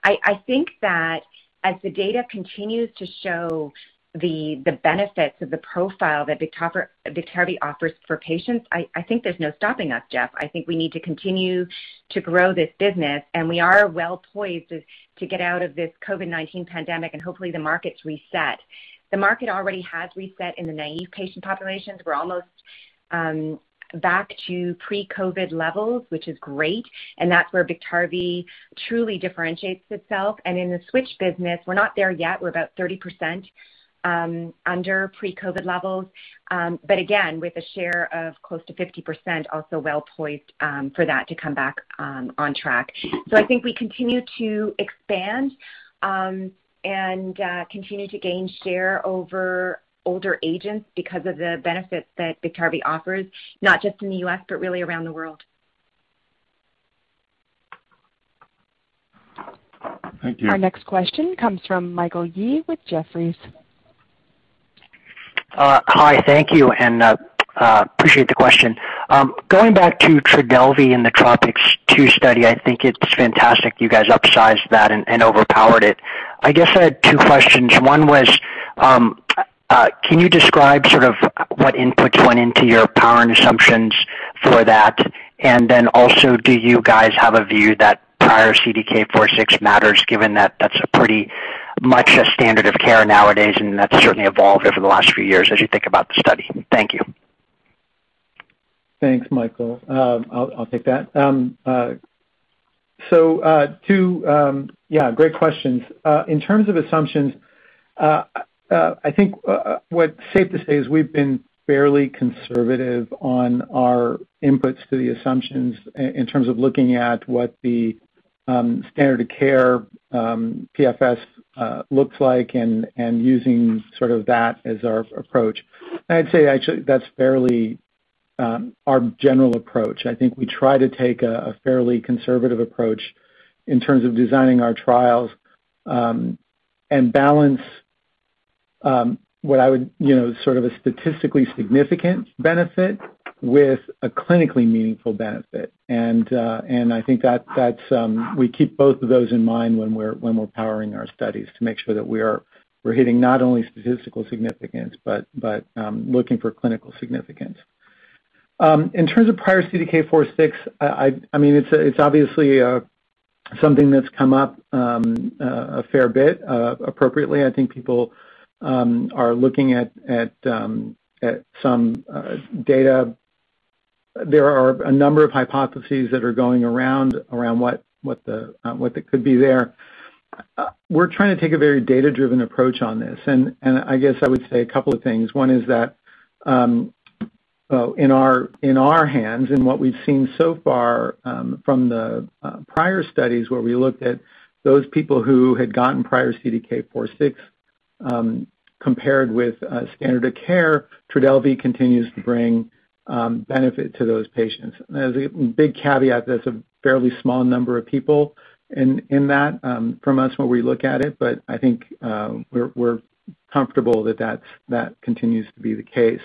I think that as the data continues to show the benefits of the profile that Biktarvy offers for patients, I think there's no stopping us, Geoff. I think we need to continue to grow this business, and we are well poised to get out of this COVID-19 pandemic and hopefully the markets reset. The market already has reset in the naive patient populations. We're almost back to pre-COVID levels, which is great, and that's where Biktarvy truly differentiates itself. In the switch business, we're not there yet. We're about 30% under pre-COVID levels. Again, with a share of close to 50%, also well poised for that to come back on track. I think we continue to expand, and continue to gain share over older agents because of the benefits that Biktarvy offers, not just in the U.S., but really around the world. Thank you. Our next question comes from Michael Yee with Jefferies. Hi. Thank you, appreciate the question. Going back to TRODELVY and the TROPiCS-02 study, I think it's fantastic you guys upsized that and overpowered it. I guess I had two questions. One was, can you describe sort of what inputs went into your powering assumptions for that? Also, do you guys have a view that prior CDK4/6 matters given that that's pretty much a standard of care nowadays, and that's certainly evolved over the last few years as you think about the study? Thank you. Thanks, Michael. I'll take that. Great questions. In terms of assumptions, I think what's safe to say is we've been fairly conservative on our inputs to the assumptions in terms of looking at what the standard of care PFS looks like and using that as our approach. I'd say actually that's fairly our general approach. I think we try to take a fairly conservative approach in terms of designing our trials, balance what I would, sort of a statistically significant benefit with a clinically meaningful benefit. I think we keep both of those in mind when we're powering our studies to make sure that we're hitting not only statistical significance, but looking for clinical significance. In terms of prior CDK4/6, it's obviously something that's come up a fair bit appropriately. I think people are looking at some data. There are a number of hypotheses that are going around what could be there. We're trying to take a very data-driven approach on this. I guess I would say a couple of things. One is that in our hands and what we've seen so far from the prior studies where we looked at those people who had gotten prior CDK4/6 compared with standard of care, TRODELVY continues to bring benefit to those patients. As a big caveat, that's a fairly small number of people in that from us when we look at it. I think we're comfortable that continues to be the case.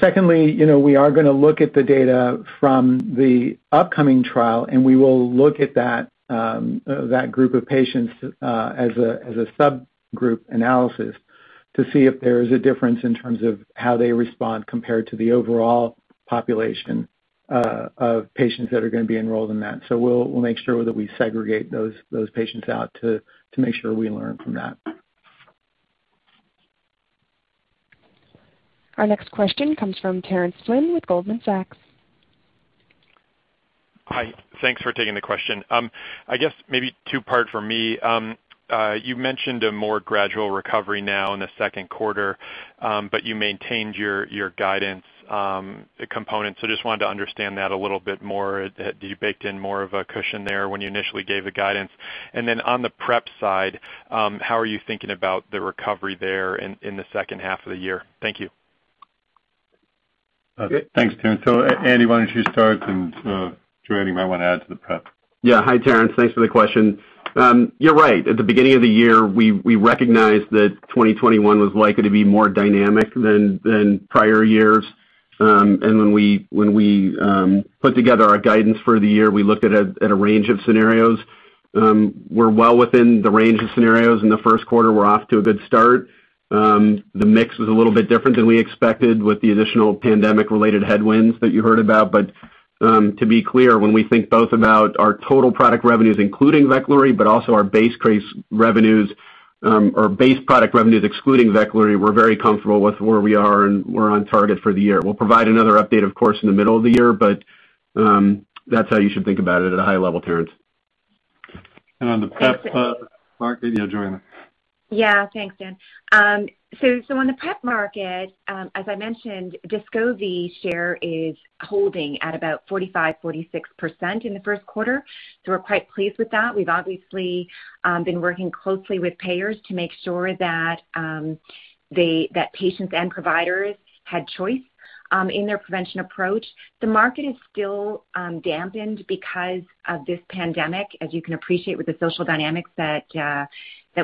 Secondly, we are going to look at the data from the upcoming trial, and we will look at that group of patients as a subgroup analysis to see if there is a difference in terms of how they respond compared to the overall population of patients that are going to be enrolled in that. We'll make sure that we segregate those patients out to make sure we learn from that. Our next question comes from Terence Flynn with Goldman Sachs. Hi. Thanks for taking the question. I guess maybe two-part from me. You mentioned a more gradual recovery now in the second quarter, but you maintained your guidance components. Just wanted to understand that a little bit more, that you baked in more of a cushion there when you initially gave the guidance. On the PrEP side, how are you thinking about the recovery there in the second half of the year? Thank you. Okay. Thanks, Terence. Andy, why don't you start and Johanna, you might want to add to the PrEP. Hi, Terence. Thanks for the question. You're right. At the beginning of the year, we recognized that 2021 was likely to be more dynamic than prior years. When we put together our guidance for the year, we looked at a range of scenarios. We're well within the range of scenarios. In the first quarter, we're off to a good start. The mix was a little bit different than we expected with the additional pandemic-related headwinds that you heard about. To be clear, when we think both about our total product revenues including Veklury, but also our base product revenues excluding Veklury, we're very comfortable with where we are, and we're on target for the year. We'll provide another update, of course, in the middle of the year, but that's how you should think about it at a high level, Terence. On the PrEP part, Johanna. Yeah, thanks, Dan. On the PrEP market, as I mentioned, Descovy share is holding at about 45%-46% in the first quarter. We're quite pleased with that. We've obviously been working closely with payers to make sure that patients and providers had choice in their prevention approach. The market is still dampened because of this pandemic, as you can appreciate with the social dynamics that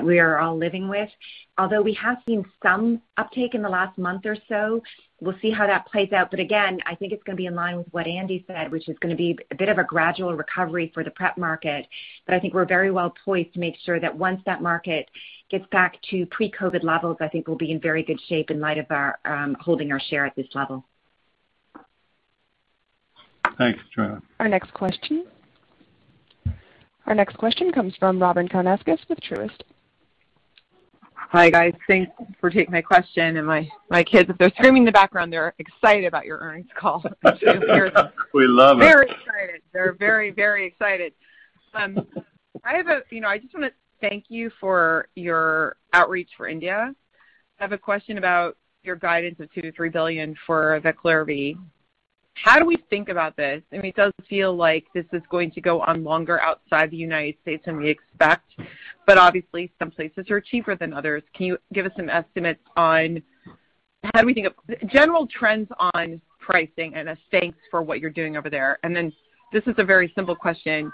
we are all living with. Although we have seen some uptake in the last month or so, we'll see how that plays out. Again, I think it's going to be in line with what Andy said, which is going to be a bit of a gradual recovery for the PrEP market. I think we're very well poised to make sure that once that market gets back to pre-COVID levels, I think we'll be in very good shape in light of our holding our share at this level. Thanks, Johanna. Our next question comes from Robyn Karnauskas with Truist. Hi, guys. Thanks for taking my question, and my kids, if they're screaming in the background, they're excited about your earnings call. We love it. Very excited. They're very excited. I just want to thank you for your outreach for India. I have a question about your guidance of $2 billion-$3 billion for Veklury. How do we think about this? It does feel like this is going to go on longer outside the U.S. than we expect. Obviously, some places are cheaper than others. Can you give us some estimates on general trends on pricing and states for what you're doing over there? This is a very simple question.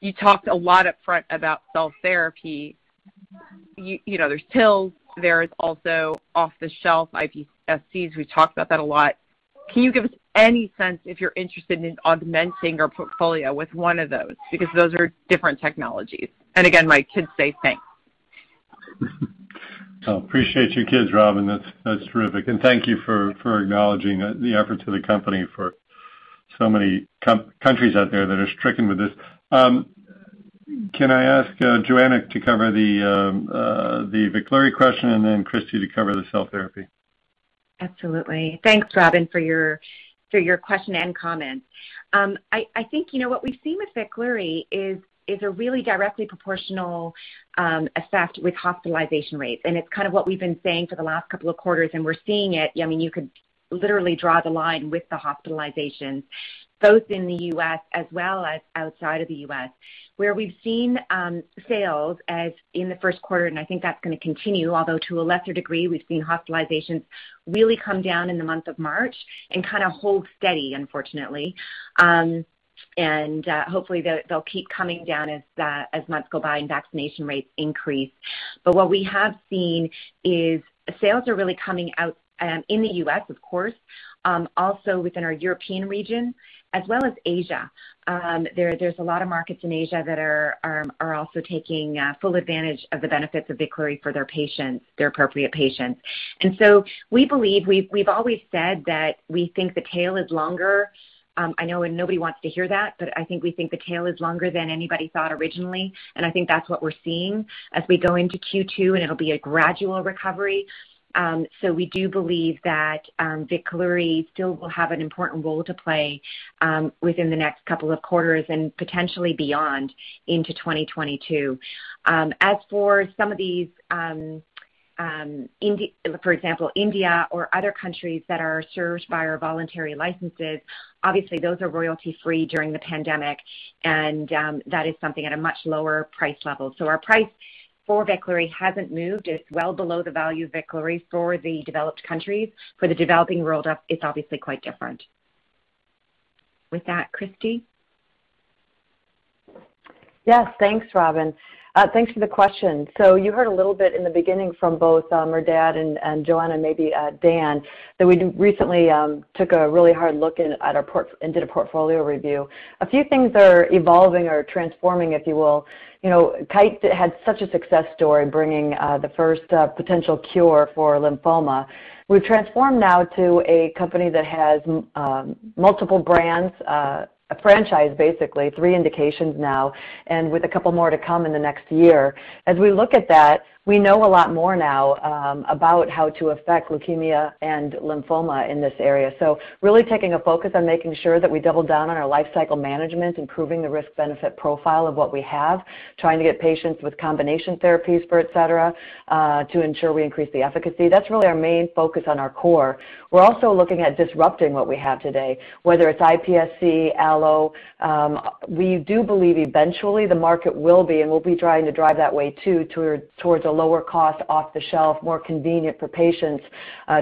You talked a lot upfront about cell therapy. There's TILs. There is also off-the-shelf IPSCs. We've talked about that a lot. Can you give us any sense if you're interested in augmenting our portfolio with one of those? Those are different technologies. Again, my kids say thanks. I appreciate your kids, Robyn. That's terrific. Thank you for acknowledging the effort to the company for so many countries out there that are stricken with this. Can I ask Johanna to cover the Veklury question and then Christi to cover the cell therapy? Absolutely. Thanks, Robyn, for your question and comments. I think what we've seen with Veklury is a really directly proportional effect with hospitalization rates. It's kind of what we've been saying for the last couple of quarters. We're seeing it. You could literally draw the line with the hospitalizations, both in the U.S. as well as outside of the U.S., where we've seen sales as in the first quarter. I think that's going to continue, although to a lesser degree. We've seen hospitalizations really come down in the month of March and kind of hold steady, unfortunately. Hopefully they'll keep coming down as months go by and vaccination rates increase. What we have seen is sales are really coming out in the U.S., of course, also within our European region as well as Asia. There's a lot of markets in Asia that are also taking full advantage of the benefits of Veklury for their appropriate patients. We believe, we've always said that we think the tail is longer. I know nobody wants to hear that, but I think we think the tail is longer than anybody thought originally, and I think that's what we're seeing as we go into Q2, and it'll be a gradual recovery. We do believe that Veklury still will have an important role to play within the next couple of quarters and potentially beyond into 2022. As for some of these, for example, India or other countries that are served by our voluntary licenses, obviously those are royalty-free during the pandemic, and that is something at a much lower price level. Our price for Veklury hasn't moved. It's well below the value of Veklury for the developed countries. For the developing world, it's obviously quite different. With that, Christi? Yes, thanks, Robyn. Thanks for the question. You heard a little bit in the beginning from both Merdad and Johanna, maybe Dan, that we recently took a really hard look and did a portfolio review. A few things are evolving or transforming, if you will. Kite had such a success story bringing the first potential cure for lymphoma. We've transformed now to a company that has multiple brands, a franchise, basically, three indications now, and with a couple more to come in the next year. As we look at that, we know a lot more now about how to affect leukemia and lymphoma in this area. Really taking a focus on making sure that we double down on our life cycle management, improving the risk-benefit profile of what we have, trying to get patients with combination therapies for etc., to ensure we increase the efficacy. That's really our main focus on our core. We're also looking at disrupting what we have today, whether it's iPSC, allo. We do believe eventually the market will be, and we'll be trying to drive that way too, towards a lower cost, off-the-shelf, more convenient for patients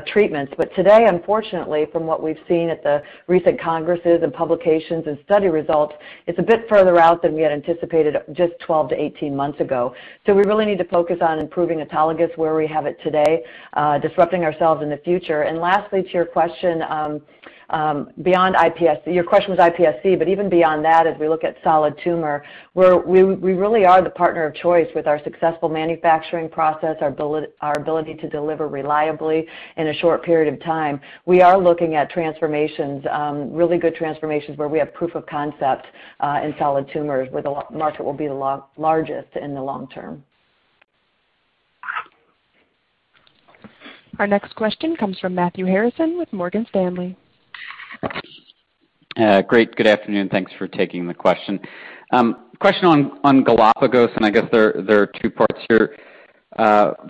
treatments. Today, unfortunately, from what we've seen at the recent congresses and publications and study results, it's a bit further out than we had anticipated just 12-18 months ago. We really need to focus on improving autologous where we have it today, disrupting ourselves in the future. Lastly, to your question, beyond iPSC. Your question was iPSC, but even beyond that, as we look at solid tumor, we really are the partner of choice with our successful manufacturing process, our ability to deliver reliably in a short period of time. We are looking at transformations, really good transformations where we have proof of concept in solid tumors where the market will be the largest in the long term. Our next question comes from Matthew Harrison with Morgan Stanley. Great. Good afternoon. Thanks for taking the question. Question on Galapagos. I guess there are two parts here.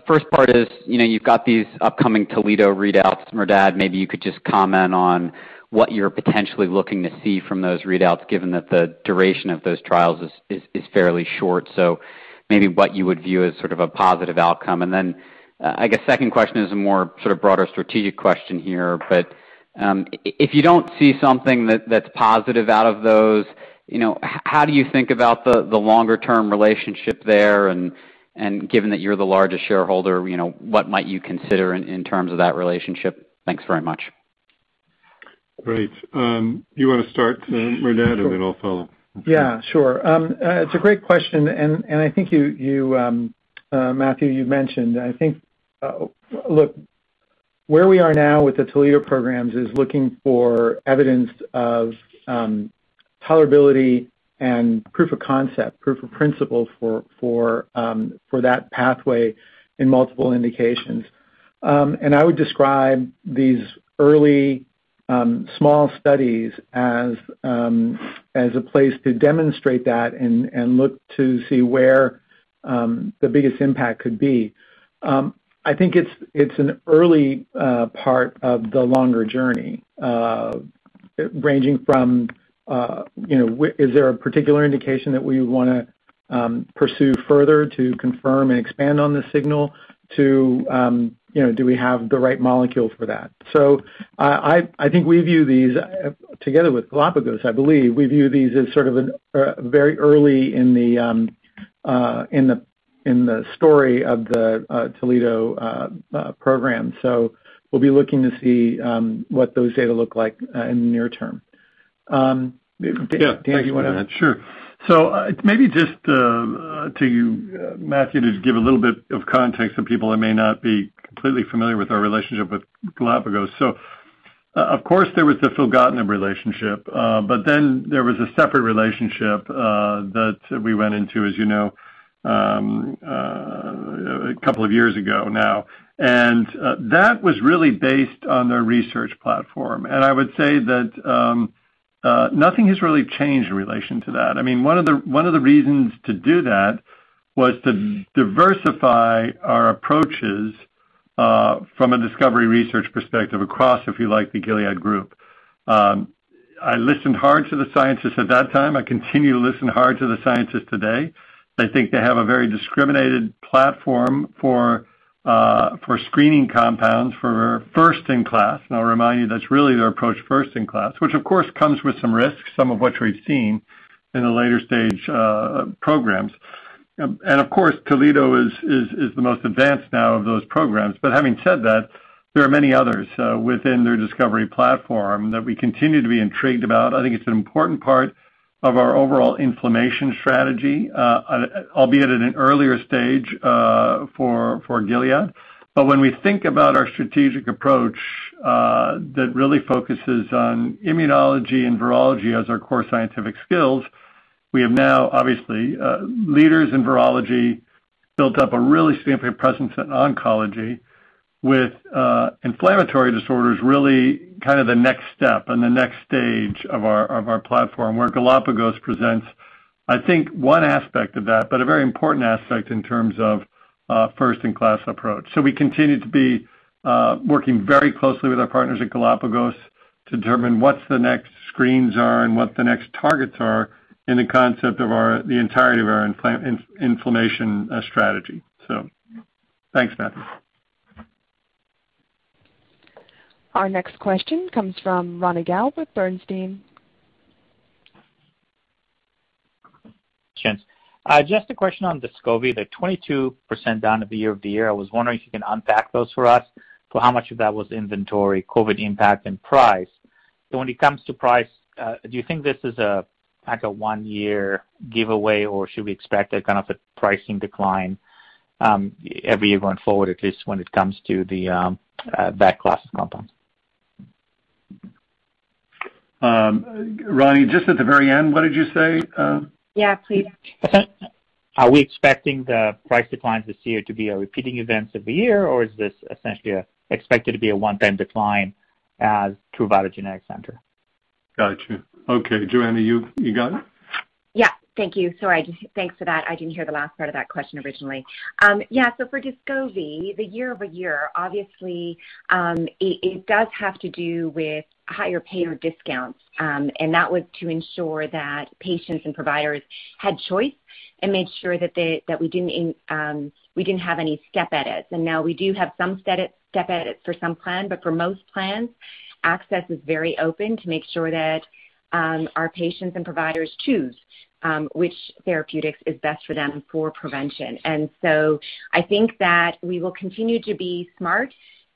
First part is, you've got these upcoming Toledo readouts, Merdad. Maybe you could just comment on what you're potentially looking to see from those readouts, given that the duration of those trials is fairly short. Maybe what you would view as sort of a positive outcome. I guess second question is a more sort of broader strategic question here. If you don't see something that's positive out of those, how do you think about the longer-term relationship there? Given that you're the largest shareholder, what might you consider in terms of that relationship? Thanks very much. Great. You want to start, Merdad, and then I'll follow? Yeah, sure. It's a great question. I think Matthew, you mentioned. Look, where we are now with the Toledo programs is looking for evidence of tolerability and proof of concept, proof of principle for that pathway in multiple indications. I would describe these early small studies as a place to demonstrate that and look to see where the biggest impact could be. I think it's an early part of the longer journey, ranging from, is there a particular indication that we want to pursue further to confirm and expand on the signal to do we have the right molecule for that? I think we view these together with Galapagos, I believe, we view these as sort of very early in the story of the Toledo program. We'll be looking to see what those data look like in the near term. Dan, do you want to- Yeah. Thanks, Merdad. Sure. Maybe just to you, Matthew, to give a little bit of context for people that may not be completely familiar with our relationship with Galapagos. Of course, there was the filgotinib relationship, but then there was a separate relationship that we went into, as you know, a couple of years ago now. That was really based on their research platform. I would say that nothing has really changed in relation to that. One of the reasons to do that was to diversify our approaches from a discovery research perspective across, if you like, the Gilead group. I listened hard to the scientists at that time. I continue to listen hard to the scientists today. I think they have a very discriminated platform for screening compounds for first-in-class. I'll remind you, that's really their approach, first-in-class, which of course comes with some risks, some of which we've seen in the later stage programs. Of course, Toledo is the most advanced now of those programs. Having said that, there are many others within their discovery platform that we continue to be intrigued about. I think it's an important part of our overall inflammation strategy, albeit at an earlier stage for Gilead. When we think about our strategic approach that really focuses on immunology and virology as our core scientific skills, we have now, obviously, leaders in virology built up a really significant presence in oncology with inflammatory disorders, really the next step and the next stage of our platform where Galapagos presents, I think, one aspect of that, but a very important aspect in terms of first-in-class approach. We continue to be working very closely with our partners at Galapagos to determine what the next screens are and what the next targets are in the concept of the entirety of our inflammation strategy. Thanks, Matthew. Our next question comes from Ronny Gal with Bernstein. Thanks. Just a question on Descovy, the 22% down of the year-over-year. I was wondering if you can unpack those for us. How much of that was inventory, COVID impact, and price? When it comes to price, do you think this is a one-year giveaway, or should we expect a pricing decline every year going forward, at least when it comes to the back class compounds? Ronny, just at the very end, what did you say? Yeah, please. Are we expecting the price declines this year to be a repeating event every year, or is this essentially expected to be a one-time decline as Truvada generics enter? Got you. Okay, Johanna, you got it? Thank you. Sorry. Thanks for that. I didn't hear the last part of that question originally. For Descovy, the year-over-year, obviously, it does have to do with higher payer discounts. That was to ensure that patients and providers had choice and made sure that we didn't have any step edits. Now we do have some step edits for some plans, but for most plans, access is very open to make sure that our patients and providers choose which therapeutics is best for them for prevention. I think that we will continue to be smart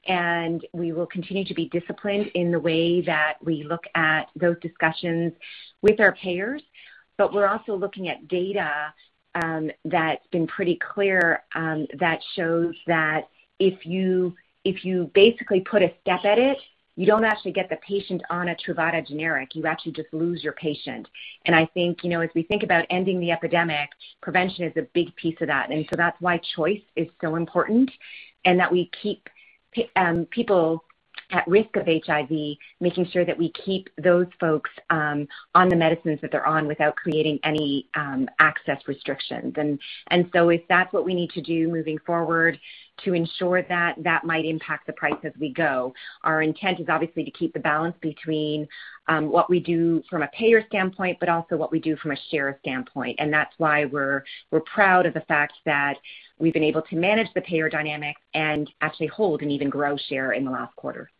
and we will continue to be disciplined in the way that we look at those discussions with our payers. We're also looking at data that's been pretty clear that shows that if you basically put a step edit, you don't actually get the patient on a Truvada generic, you actually just lose your patient. I think, as we think about ending the epidemic, prevention is a big piece of that. That's why choice is so important and that we keep people at risk of HIV, making sure that we keep those folks on the medicines that they're on without creating any access restrictions. If that's what we need to do moving forward to ensure that might impact the price as we go. Our intent is obviously to keep the balance between what we do from a payer standpoint, but also what we do from a share standpoint. That's why we're proud of the fact that we've been able to manage the payer dynamic and actually hold and even grow share in the last quarter.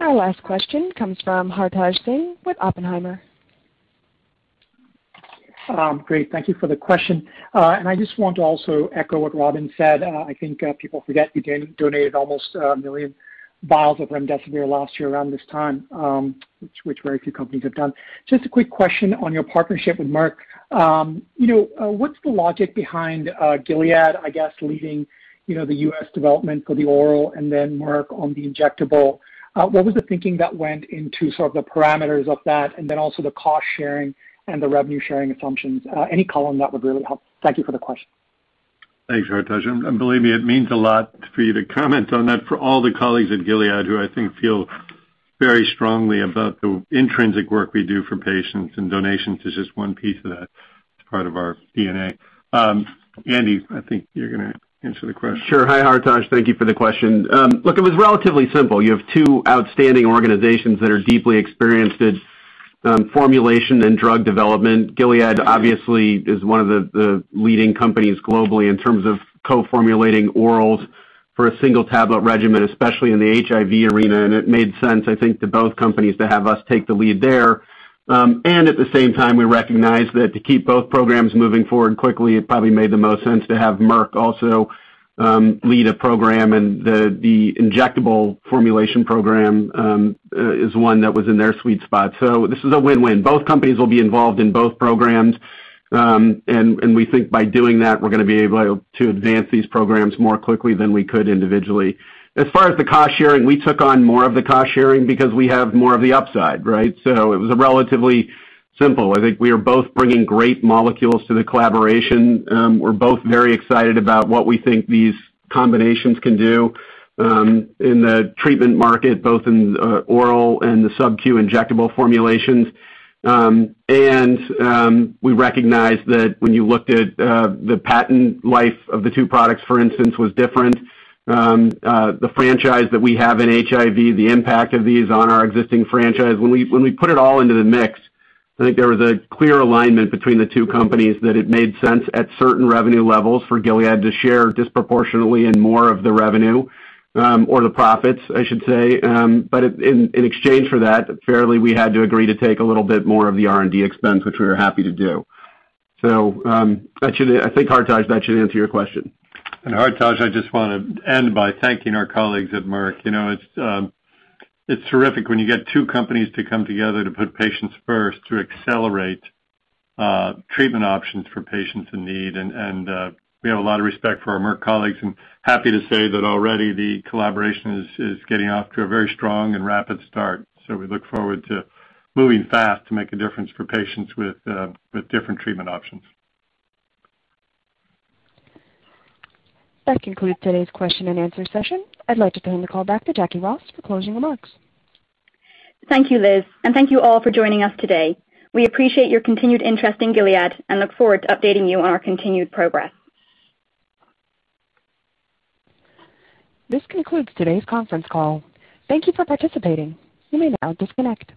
Our last question comes from Hartaj Singh with Oppenheimer. Great. Thank you for the question. I just want to also echo what Robyn said. I think people forget we donated almost a million vials of remdesivir last year around this time, which very few companies have done. Just a quick question on your partnership with Merck. What's the logic behind Gilead, I guess, leading the U.S. development for the oral and then Merck on the injectable? What was the thinking that went into sort of the parameters of that and then also the cost sharing and the revenue sharing assumptions? Any color on that would really help. Thank you for the question. Thanks, Hartaj. Believe me, it means a lot for you to comment on that for all the colleagues at Gilead who I think feel very strongly about the intrinsic work we do for patients, and donations is just one piece of that. It's part of our DNA. Andy, I think you're going to answer the question. Sure. Hi, Hartaj. Thank you for the question. Look, it was relatively simple. You have two outstanding organizations that are deeply experienced at formulation and drug development. Gilead obviously is one of the leading companies globally in terms of co-formulating orals for a single-tablet regimen, especially in the HIV arena. It made sense, I think, to both companies to have us take the lead there. At the same time, we recognized that to keep both programs moving forward quickly, it probably made the most sense to have Merck also lead a program, and the injectable formulation program is one that was in their sweet spot. This is a win-win. Both companies will be involved in both programs. We think by doing that, we're going to be able to advance these programs more quickly than we could individually. As far as the cost-sharing, we took on more of the cost-sharing because we have more of the upside, right? It was relatively simple. I think we are both bringing great molecules to the collaboration. We're both very excited about what we think these combinations can do in the treatment market, both in oral and the sub-Q injectable formulations. We recognize that when you looked at the patent life of the two products, for instance, was different. The franchise that we have in HIV, the impact of these on our existing franchise. When we put it all into the mix, I think there was a clear alignment between the two companies that it made sense at certain revenue levels for Gilead to share disproportionately in more of the revenue or the profits, I should say. In exchange for that, fairly, we had to agree to take a little bit more of the R&D expense, which we were happy to do. I think, Hartaj, that should answer your question. Hartaj, I just want to end by thanking our colleagues at Merck. It's terrific when you get two companies to come together to put patients first, to accelerate treatment options for patients in need. We have a lot of respect for our Merck colleagues and happy to say that already the collaboration is getting off to a very strong and rapid start. We look forward to moving fast to make a difference for patients with different treatment options. That concludes today's question and answer session. I'd like to turn the call back to Jacquie Ross for closing remarks. Thank you, Liz, and thank you all for joining us today. We appreciate your continued interest in Gilead and look forward to updating you on our continued progress. This concludes today's conference call. Thank you for participating. You may now disconnect.